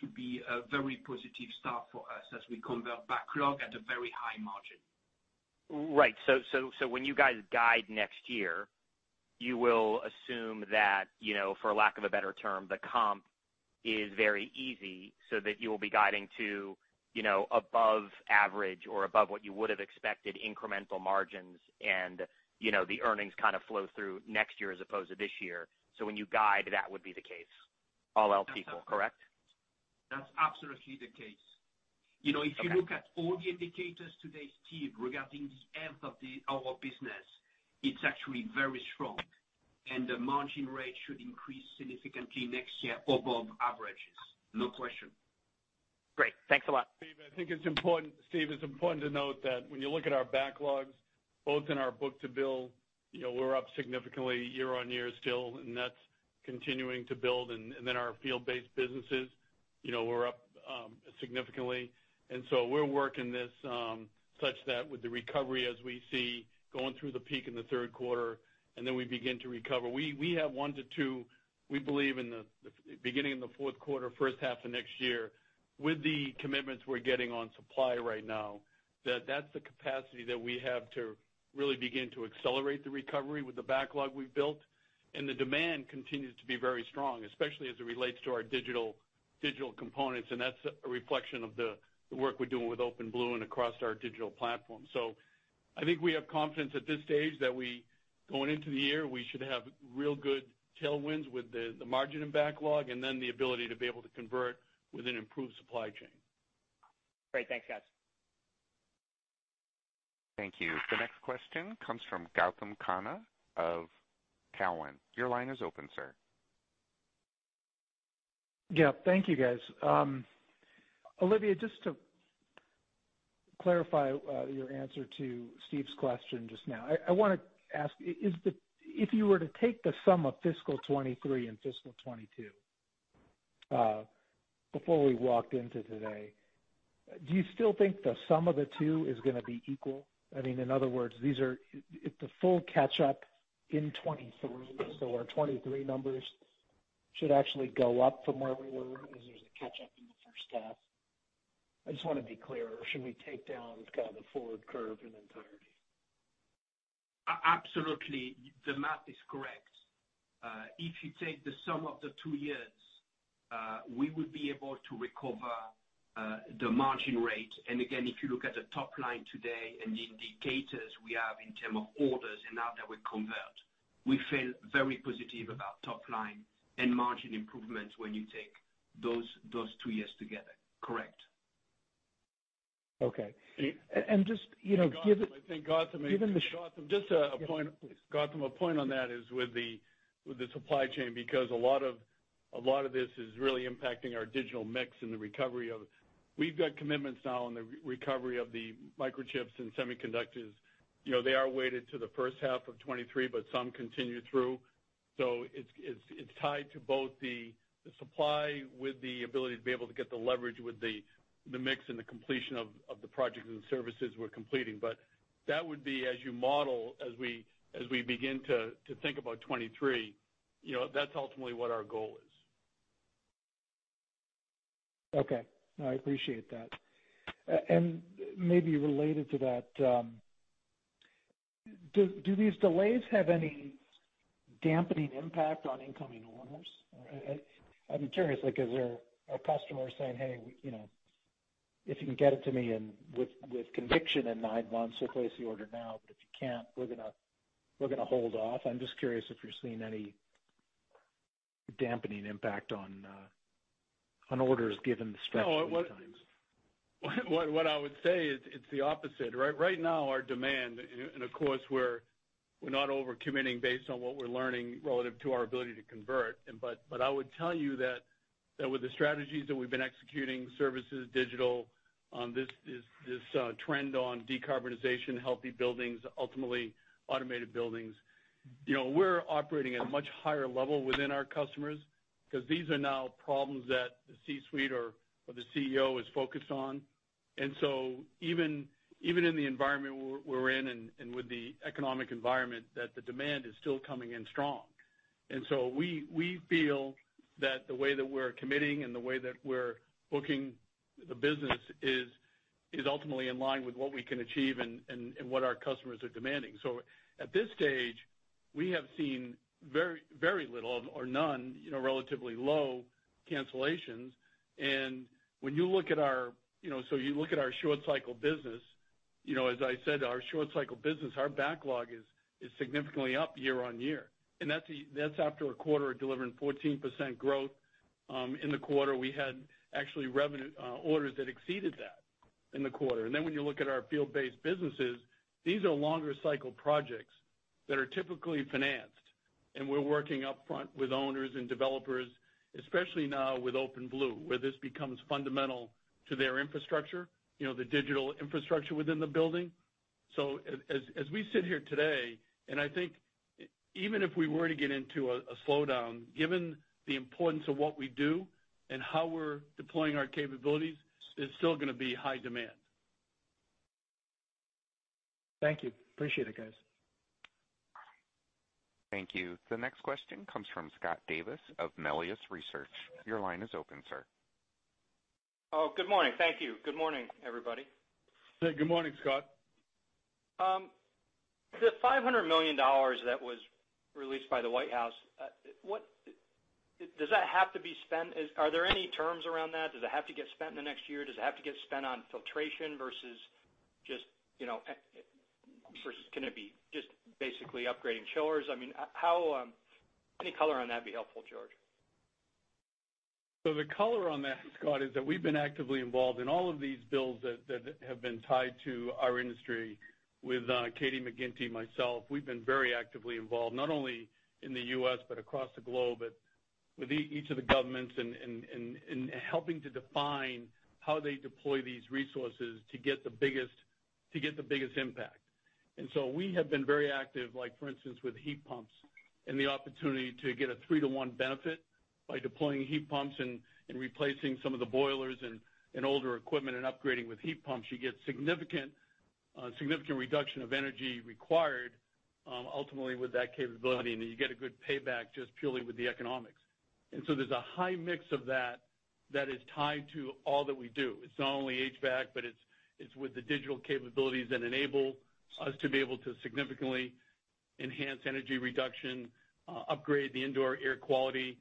to be a very positive start for us as we convert backlog at a very high margin. Right. When you guys guide next year, you will assume that, you know, for lack of a better term, the comp is very easy so that you will be guiding to, you know, above average or above what you would have expected incremental margins and, you know, the earnings kind of flow through next year as opposed to this year. When you guide, that would be the case, all else equal, correct? That's absolutely the case. Okay. You know, if you look at all the indicators today, Steve, regarding the health of our business, it's actually very strong. The margin rate should increase significantly next year above averages. No question. Great. Thanks a lot. Steve, I think it's important to note that when you look at our backlogs, both in our book-to-bill, you know, we're up significantly year-over-year still, and that's continuing to build. Our field-based businesses, you know, we're up significantly. We're working this such that with the recovery as we see going through the peak in the third quarter, and then we begin to recover. We have 1 to 2, we believe, in the beginning of the fourth quarter, first half of next year, with the commitments we're getting on supply right now, that's the capacity that we have to really begin to accelerate the recovery with the backlog we've built. The demand continues to be very strong, especially as it relates to our digital components, and that's a reflection of the work we're doing with OpenBlue and across our digital platform. I think we have confidence at this stage that going into the year, we should have real good tailwinds with the margin and backlog, and then the ability to be able to convert with an improved supply chain. Great. Thanks, guys. Thank you. The next question comes from Gautam Khanna of Cowen. Your line is open, sir. Yeah. Thank you, guys. Olivier, just to clarify your answer to Steve's question just now, I wanna ask, if you were to take the sum of fiscal 2023 and fiscal 2022, before we walked into today, do you still think the sum of the two is gonna be equal? I mean, in other words, if the full catch-up in 2023, so our 2023 numbers should actually go up from where we were as there's a catch-up in the first half. I just wanna be clear. Or should we take down kind of the forward curve in entirety? Absolutely. The math is correct. If you take the sum of the two years, we would be able to recover the margin rate. Again, if you look at the top line today and the indicators we have in terms of orders and now that we convert, we feel very positive about top line and margin improvements when you take those two years together. Correct. Okay. And- Just, you know, given- Gautam, I think, maybe Given the Gautam, just a point. Yeah, please. Gautam, a point on that is with the supply chain, because a lot of this is really impacting our digital mix and the recovery. We've got commitments now on the recovery of the microchips and semiconductors. You know, they are weighted to the first half of 2023, but some continue through. It's tied to both the supply with the ability to be able to get the leverage with the mix and the completion of the projects and services we're completing. But that would be as you model, as we begin to think about 2023, you know, that's ultimately what our goal is. Okay. No, I appreciate that. Maybe related to that, do these delays have any dampening impact on incoming orders? I'm curious, like, is there a customer saying, "Hey, you know, if you can get it to me in nine months with conviction, so place the order now. But if you can't, we're gonna hold off." I'm just curious if you're seeing any dampening impact on orders given the stretch in times. No, what I would say is it's the opposite, right? Right now, our demand, of course, we're not over-committing based on what we're learning relative to our ability to convert. But I would tell you that with the strategies that we've been executing, services, digital, this trend on decarbonization, healthy buildings, ultimately automated buildings. You know, we're operating at a much higher level within our customers because these are now problems that the C-suite or the CEO is focused on. Even in the environment we're in and with the economic environment that the demand is still coming in strong. We feel that the way that we're committing and the way that we're booking the business is ultimately in line with what we can achieve and what our customers are demanding. At this stage, we have seen very little or none, you know, relatively low cancellations. When you look at our short cycle business, you know, as I said, our short cycle business, our backlog is significantly up year-over-year. That's after a quarter of delivering 14% growth in the quarter. We had actually revenue orders that exceeded that in the quarter. Then when you look at our field-based businesses, these are longer cycle projects that are typically financed. We're working up front with owners and developers, especially now with OpenBlue, where this becomes fundamental to their infrastructure, you know, the digital infrastructure within the building. As we sit here today, and I think even if we were to get into a slowdown, given the importance of what we do and how we're deploying our capabilities, it's still gonna be high demand. Thank you. Appreciate it, guys. Thank you. The next question comes from Scott Davis of Melius Research. Your line is open, sir. Oh, good morning. Thank you. Good morning, everybody. Good morning, Scott. The $500 million that was released by the White House. Does that have to be spent? Are there any terms around that? Does it have to get spent in the next year? Does it have to get spent on filtration versus just, you know, versus can it be just basically upgrading chillers? I mean, how. Any color on that'd be helpful, George. The color on that, Scott, is that we've been actively involved in all of these bills that have been tied to our industry with Katie McGinty, myself. We've been very actively involved, not only in the U.S., but across the globe with each of the governments in helping to define how they deploy these resources to get the biggest impact. We have been very active, like for instance, with heat pumps and the opportunity to get a 3-to-1 benefit by deploying heat pumps and replacing some of the boilers and older equipment and upgrading with heat pumps. You get significant reduction of energy required ultimately with that capability, and you get a good payback just purely with the economics. There's a high mix of that that is tied to all that we do. It's not only HVAC, but it's with the digital capabilities that enable us to be able to significantly enhance energy reduction, upgrade the indoor air quality,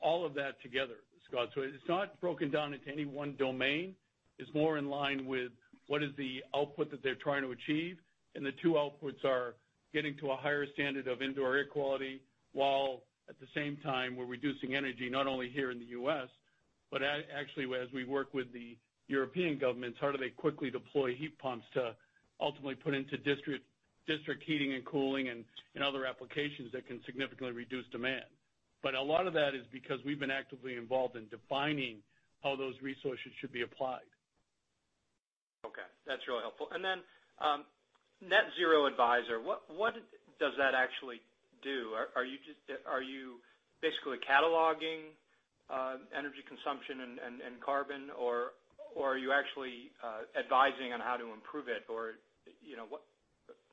all of that together, Scott. It's not broken down into any one domain. It's more in line with what is the output that they're trying to achieve. The two outputs are getting to a higher standard of indoor air quality, while at the same time, we're reducing energy, not only here in the U.S., but actually, as we work with the European governments, how do they quickly deploy heat pumps to ultimately put into district heating and cooling and other applications that can significantly reduce demand. A lot of that is because we've been actively involved in defining how those resources should be applied. Okay. That's really helpful. Then, Net Zero Advisor, what does that actually do? Are you basically cataloging energy consumption and carbon, or are you actually advising on how to improve it? Or, you know,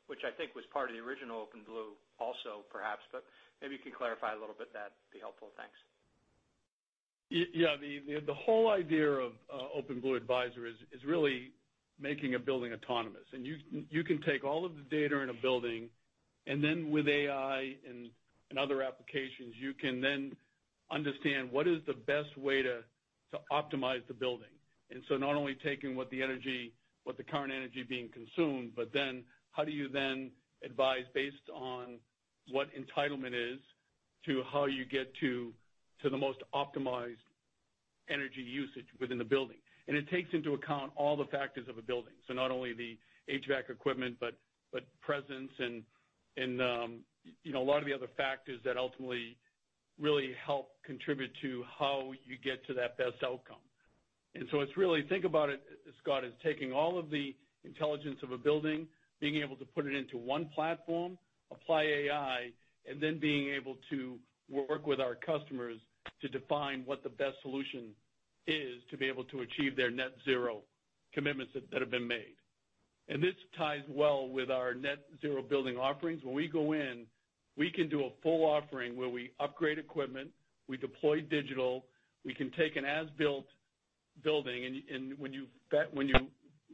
which I think was part of the original OpenBlue also, perhaps, but maybe you can clarify a little bit. That'd be helpful. Thanks. Yeah. The whole idea of OpenBlue Advisor is really making a building autonomous. You can take all of the data in a building, and then with AI and other applications, you can then understand what is the best way to optimize the building. Not only taking what the energy, what the current energy being consumed, but then how do you then advise based on what entitlement is to how you get to the most optimized energy usage within the building. It takes into account all the factors of a building. Not only the HVAC equipment, but presence and you know, a lot of the other factors that ultimately really help contribute to how you get to that best outcome. It's really, think about it, Scott, as taking all of the intelligence of a building, being able to put it into one platform, apply AI, and then being able to work with our customers to define what the best solution is to be able to achieve their Net Zero commitments that have been made. This ties well with our Net Zero building offerings. When we go in, we can do a full offering where we upgrade equipment, we deploy digital, we can take an as-built building. When you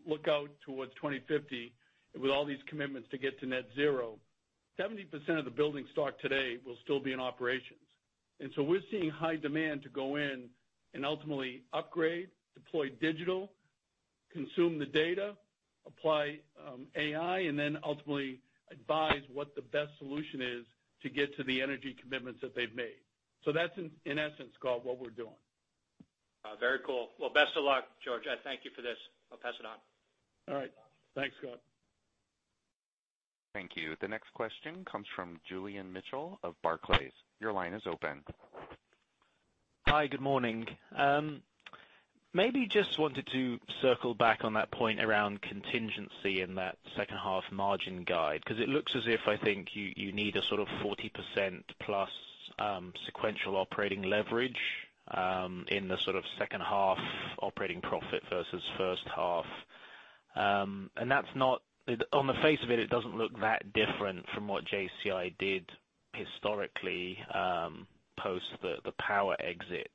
look out towards 2050, with all these commitments to get to Net Zero, 70% of the building stock today will still be in operations. We're seeing high demand to go in and ultimately upgrade, deploy digital, consume the data, apply AI, and then ultimately advise what the best solution is to get to the energy commitments that they've made. That's in essence, Scott, what we're doing. Very cool. Well, best of luck, George. I thank you for this. I'll pass it on. All right. Thanks, Scott. Thank you. The next question comes from Julian Mitchell of Barclays. Your line is open. Hi, good morning. Maybe just wanted to circle back on that point around contingency in that second half margin guide, 'cause it looks as if I think you need a sort of 40%+ sequential operating leverage in the sort of second half operating profit versus first half. On the face of it doesn't look that different from what JCI did historically post the power exit.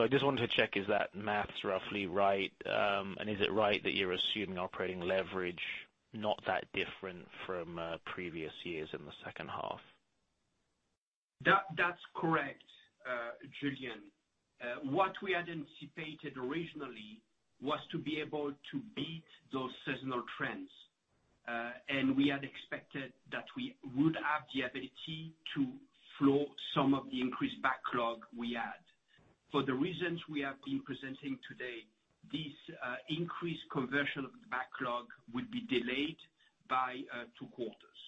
I just wanted to check is that math roughly right? Is it right that you're assuming operating leverage not that different from previous years in the second half? That's correct, Julian. What we had anticipated originally was to be able to beat those seasonal trends. We had expected that we would have the ability to flow some of the increased backlog we had. For the reasons we have been presenting today, this increased conversion of backlog would be delayed by two quarters.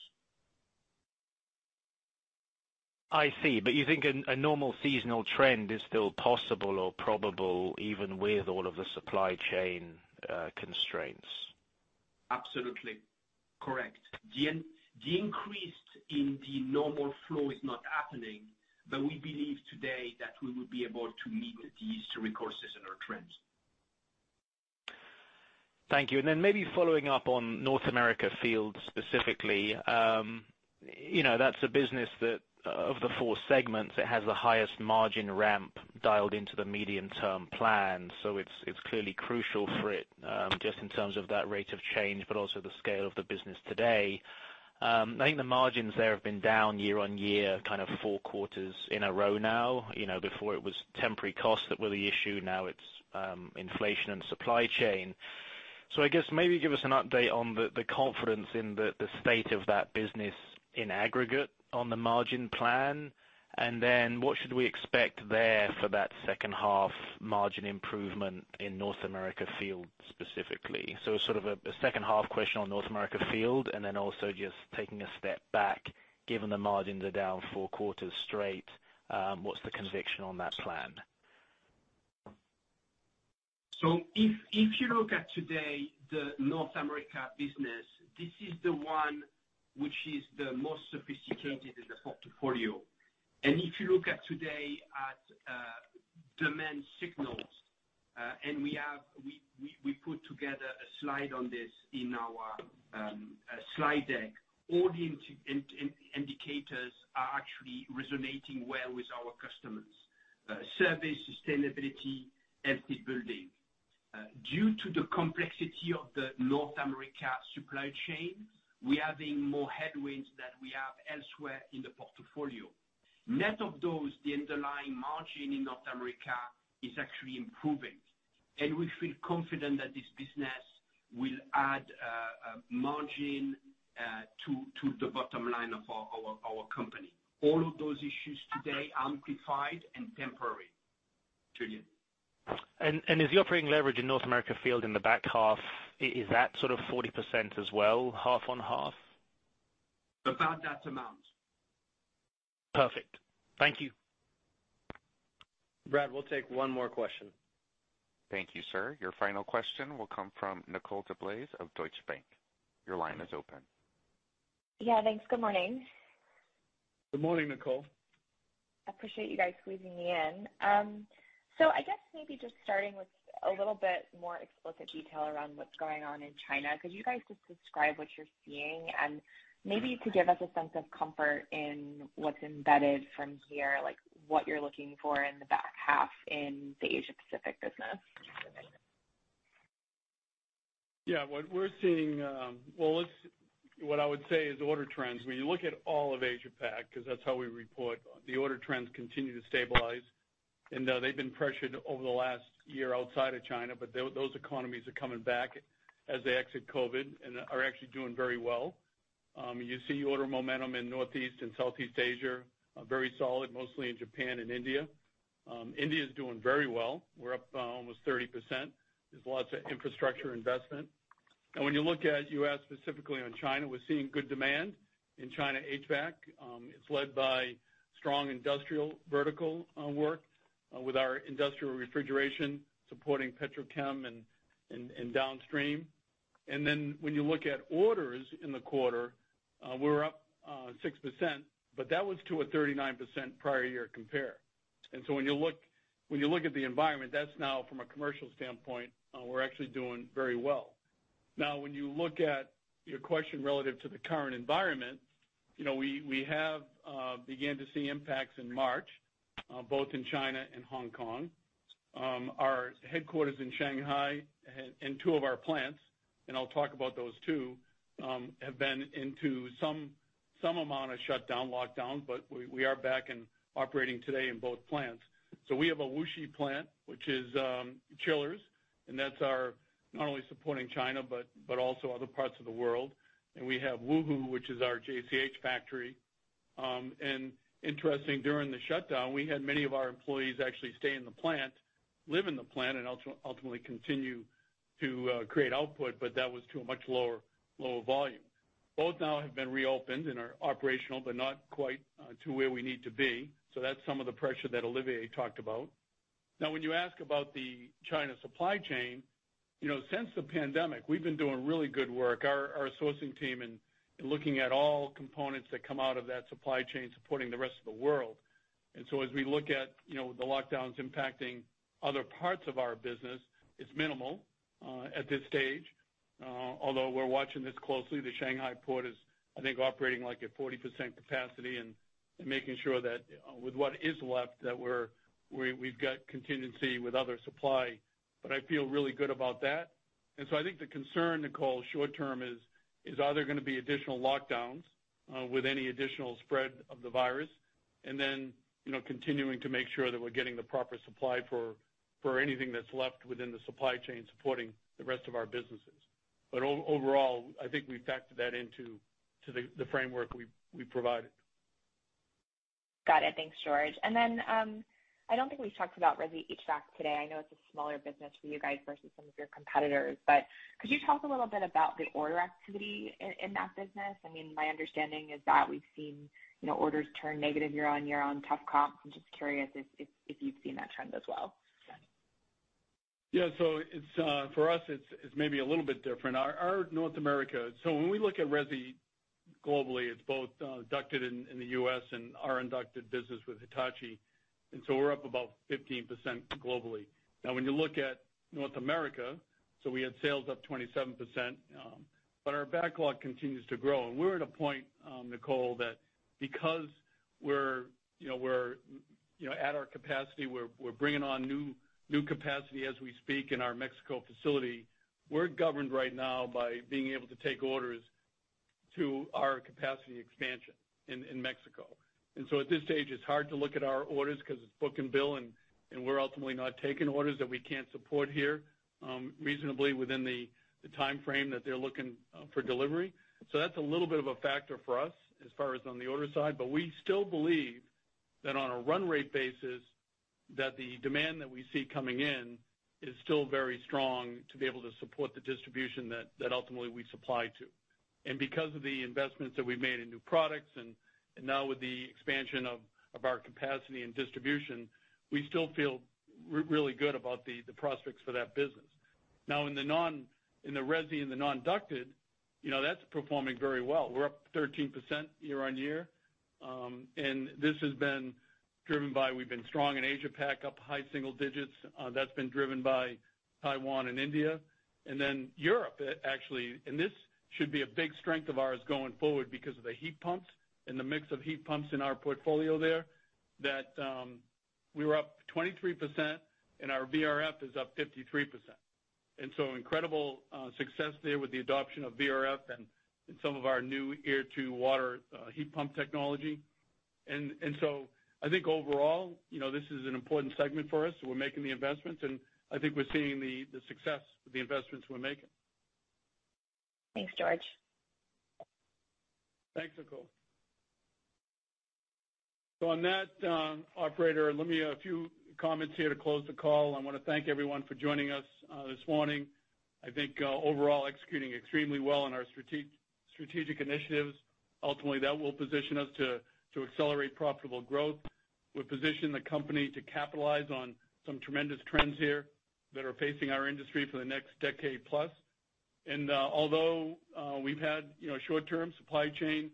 I see. You think a normal seasonal trend is still possible or probable even with all of the supply chain constraints? Absolutely. Correct. The increase in the normal flow is not happening, but we believe today that we will be able to meet these three quarters in our trends. Thank you. Maybe following up on North America Field specifically, you know, that's a business that, of the four segments, it has the highest margin ramp dialed into the medium-term plan, so it's clearly crucial for it, just in terms of that rate of change, but also the scale of the business today. I think the margins there have been down year-over-year kind of four quarters in a row now. You know, before it was temporary costs that were the issue, now it's inflation and supply chain. I guess maybe give us an update on the confidence in the state of that business in aggregate on the margin plan, and then what should we expect there for that second half margin improvement in North America Field specifically? Sort of a second half question on North America field, and then also just taking a step back, given the margins are down four quarters straight, what's the conviction on that plan? If you look at today's North America business, this is the one which is the most sophisticated in the portfolio. If you look at today's demand signals, and we put together a slide on this in our slide deck. All the indicators are actually resonating well with our customers. Service, sustainability, healthy building. Due to the complexity of the North America supply chain, we are having more headwinds than we have elsewhere in the portfolio. Net of those, the underlying margin in North America is actually improving. We feel confident that this business will add margin to the bottom line of our company. All of those issues, today amplified and temporary, Julian. Is the operating leverage in North America field in the back half, is that sort of 40% as well, half on half? About that amount. Perfect. Thank you. Brad, we'll take one more question. Thank you, sir. Your final question will come from Nicole DeBlase of Deutsche Bank. Your line is open. Yeah, thanks. Good morning. Good morning, Nicole. I appreciate you guys squeezing me in. So I guess maybe just starting with a little bit more explicit detail around what's going on in China. Could you guys just describe what you're seeing? Maybe to give us a sense of comfort in what's embedded from here, like what you're looking for in the back half in the Asia-Pacific business. What I would say is order trends. When you look at all of Asia-Pac, 'cause that's how we report, the order trends continue to stabilize. They've been pressured over the last year outside of China, but those economies are coming back as they exit COVID and are actually doing very well. You see order momentum in Northeast and Southeast Asia, very solid, mostly in Japan and India. India is doing very well. We're up almost 30%. There's lots of infrastructure investment. When you look at, you asked specifically on China, we're seeing good demand in China HVAC. It's led by strong industrial vertical work with our industrial refrigeration supporting petrochem and downstream. Then when you look at orders in the quarter, we're up 6%, but that was to a 39% prior year compare. When you look at the environment, that's now from a commercial standpoint, we're actually doing very well. When you look at your question relative to the current environment, you know, we have begun to see impacts in March, both in China and Hong Kong. Our headquarters in Shanghai and two of our plants, and I'll talk about those two, have been into some amount of shutdown, lockdown, but we are back and operating today in both plants. We have a Wuxi plant, which is chillers, and that's not only supporting China, but also other parts of the world. We have Wuhu, which is our JCH factory. Interesting, during the shutdown, we had many of our employees actually stay in the plant, live in the plant, and ultimately continue to create output, but that was to a much lower volume. Both now have been reopened and are operational, but not quite to where we need to be. That's some of the pressure that Olivier talked about. Now, when you ask about the China supply chain, you know, since the pandemic, we've been doing really good work. Our sourcing team in looking at all components that come out of that supply chain supporting the rest of the world. As we look at, you know, the lockdowns impacting other parts of our business, it's minimal at this stage, although we're watching this closely. The Shanghai port is, I think, operating like at 40% capacity and making sure that with what is left, that we've got contingency with other supply. I feel really good about that. I think the concern, Nicole, short term is, are there gonna be additional lockdowns with any additional spread of the virus? You know, continuing to make sure that we're getting the proper supply for anything that's left within the supply chain supporting the rest of our businesses. Overall, I think we've factored that into the framework we've provided. Got it. Thanks, George. Then, I don't think we've talked about resi HVAC today. I know it's a smaller business for you guys versus some of your competitors. Could you talk a little bit about the order activity in that business? I mean, my understanding is that we've seen, you know, orders turn negative year-on-year on tough comps. I'm just curious if you've seen that trend as well. Yeah. It's for us. It's maybe a little bit different. Our North America. When we look at resi globally, it's both ducted in the US and our unducted business with Hitachi, and so we're up about 15% globally. Now when you look at North America, we had sales up 27%, but our backlog continues to grow. We're at a point, Nicole, that because, you know, we're at our capacity, we're bringing on new capacity as we speak in our Mexico facility. We're governed right now by being able to take orders to our capacity expansion in Mexico. At this stage, it's hard to look at our orders 'cause it's book and bill, and we're ultimately not taking orders that we can't support here reasonably within the timeframe that they're looking for delivery. That's a little bit of a factor for us as far as on the order side. We still believe that on a run rate basis, the demand that we see coming in is still very strong to be able to support the distribution that ultimately we supply to. Because of the investments that we've made in new products and now with the expansion of our capacity and distribution, we still feel really good about the prospects for that business. Now in the resi and the non-ducted, you know, that's performing very well. We're up 13% year-on-year. This has been driven by, we've been strong in Asia Pac, up high single digits, that's been driven by Taiwan and India. Then Europe, actually, and this should be a big strength of ours going forward because of the heat pumps and the mix of heat pumps in our portfolio there that, we were up 23% and our VRF is up 53%. Incredible success there with the adoption of VRF and some of our new air-to-water heat pump technology. I think overall, you know, this is an important segment for us, so we're making the investments, and I think we're seeing the success with the investments we're making. Thanks, George. Thanks, Nicole. On that, operator, let me make a few comments here to close the call. I want to thank everyone for joining us this morning. I think overall executing extremely well on our strategic initiatives. Ultimately, that will position us to accelerate profitable growth, will position the company to capitalize on some tremendous trends here that are facing our industry for the next decade plus. Although we've had, you know, short term supply chain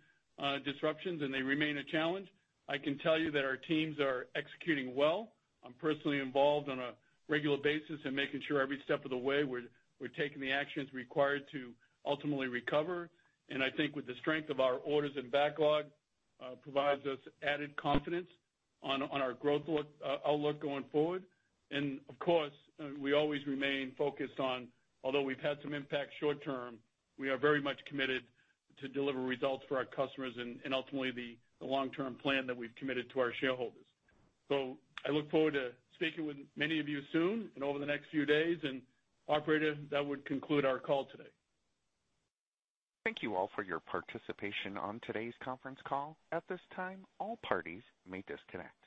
disruptions and they remain a challenge, I can tell you that our teams are executing well. I'm personally involved on a regular basis in making sure every step of the way we're taking the actions required to ultimately recover. I think with the strength of our orders and backlog provides us added confidence on our growth outlook going forward. Of course, we always remain focused on, although we've had some impact short term, we are very much committed to deliver results for our customers and ultimately the long-term plan that we've committed to our shareholders. I look forward to speaking with many of you soon and over the next few days. Operator, that would conclude our call today. Thank you all for your participation on today's conference call. At this time, all parties may disconnect.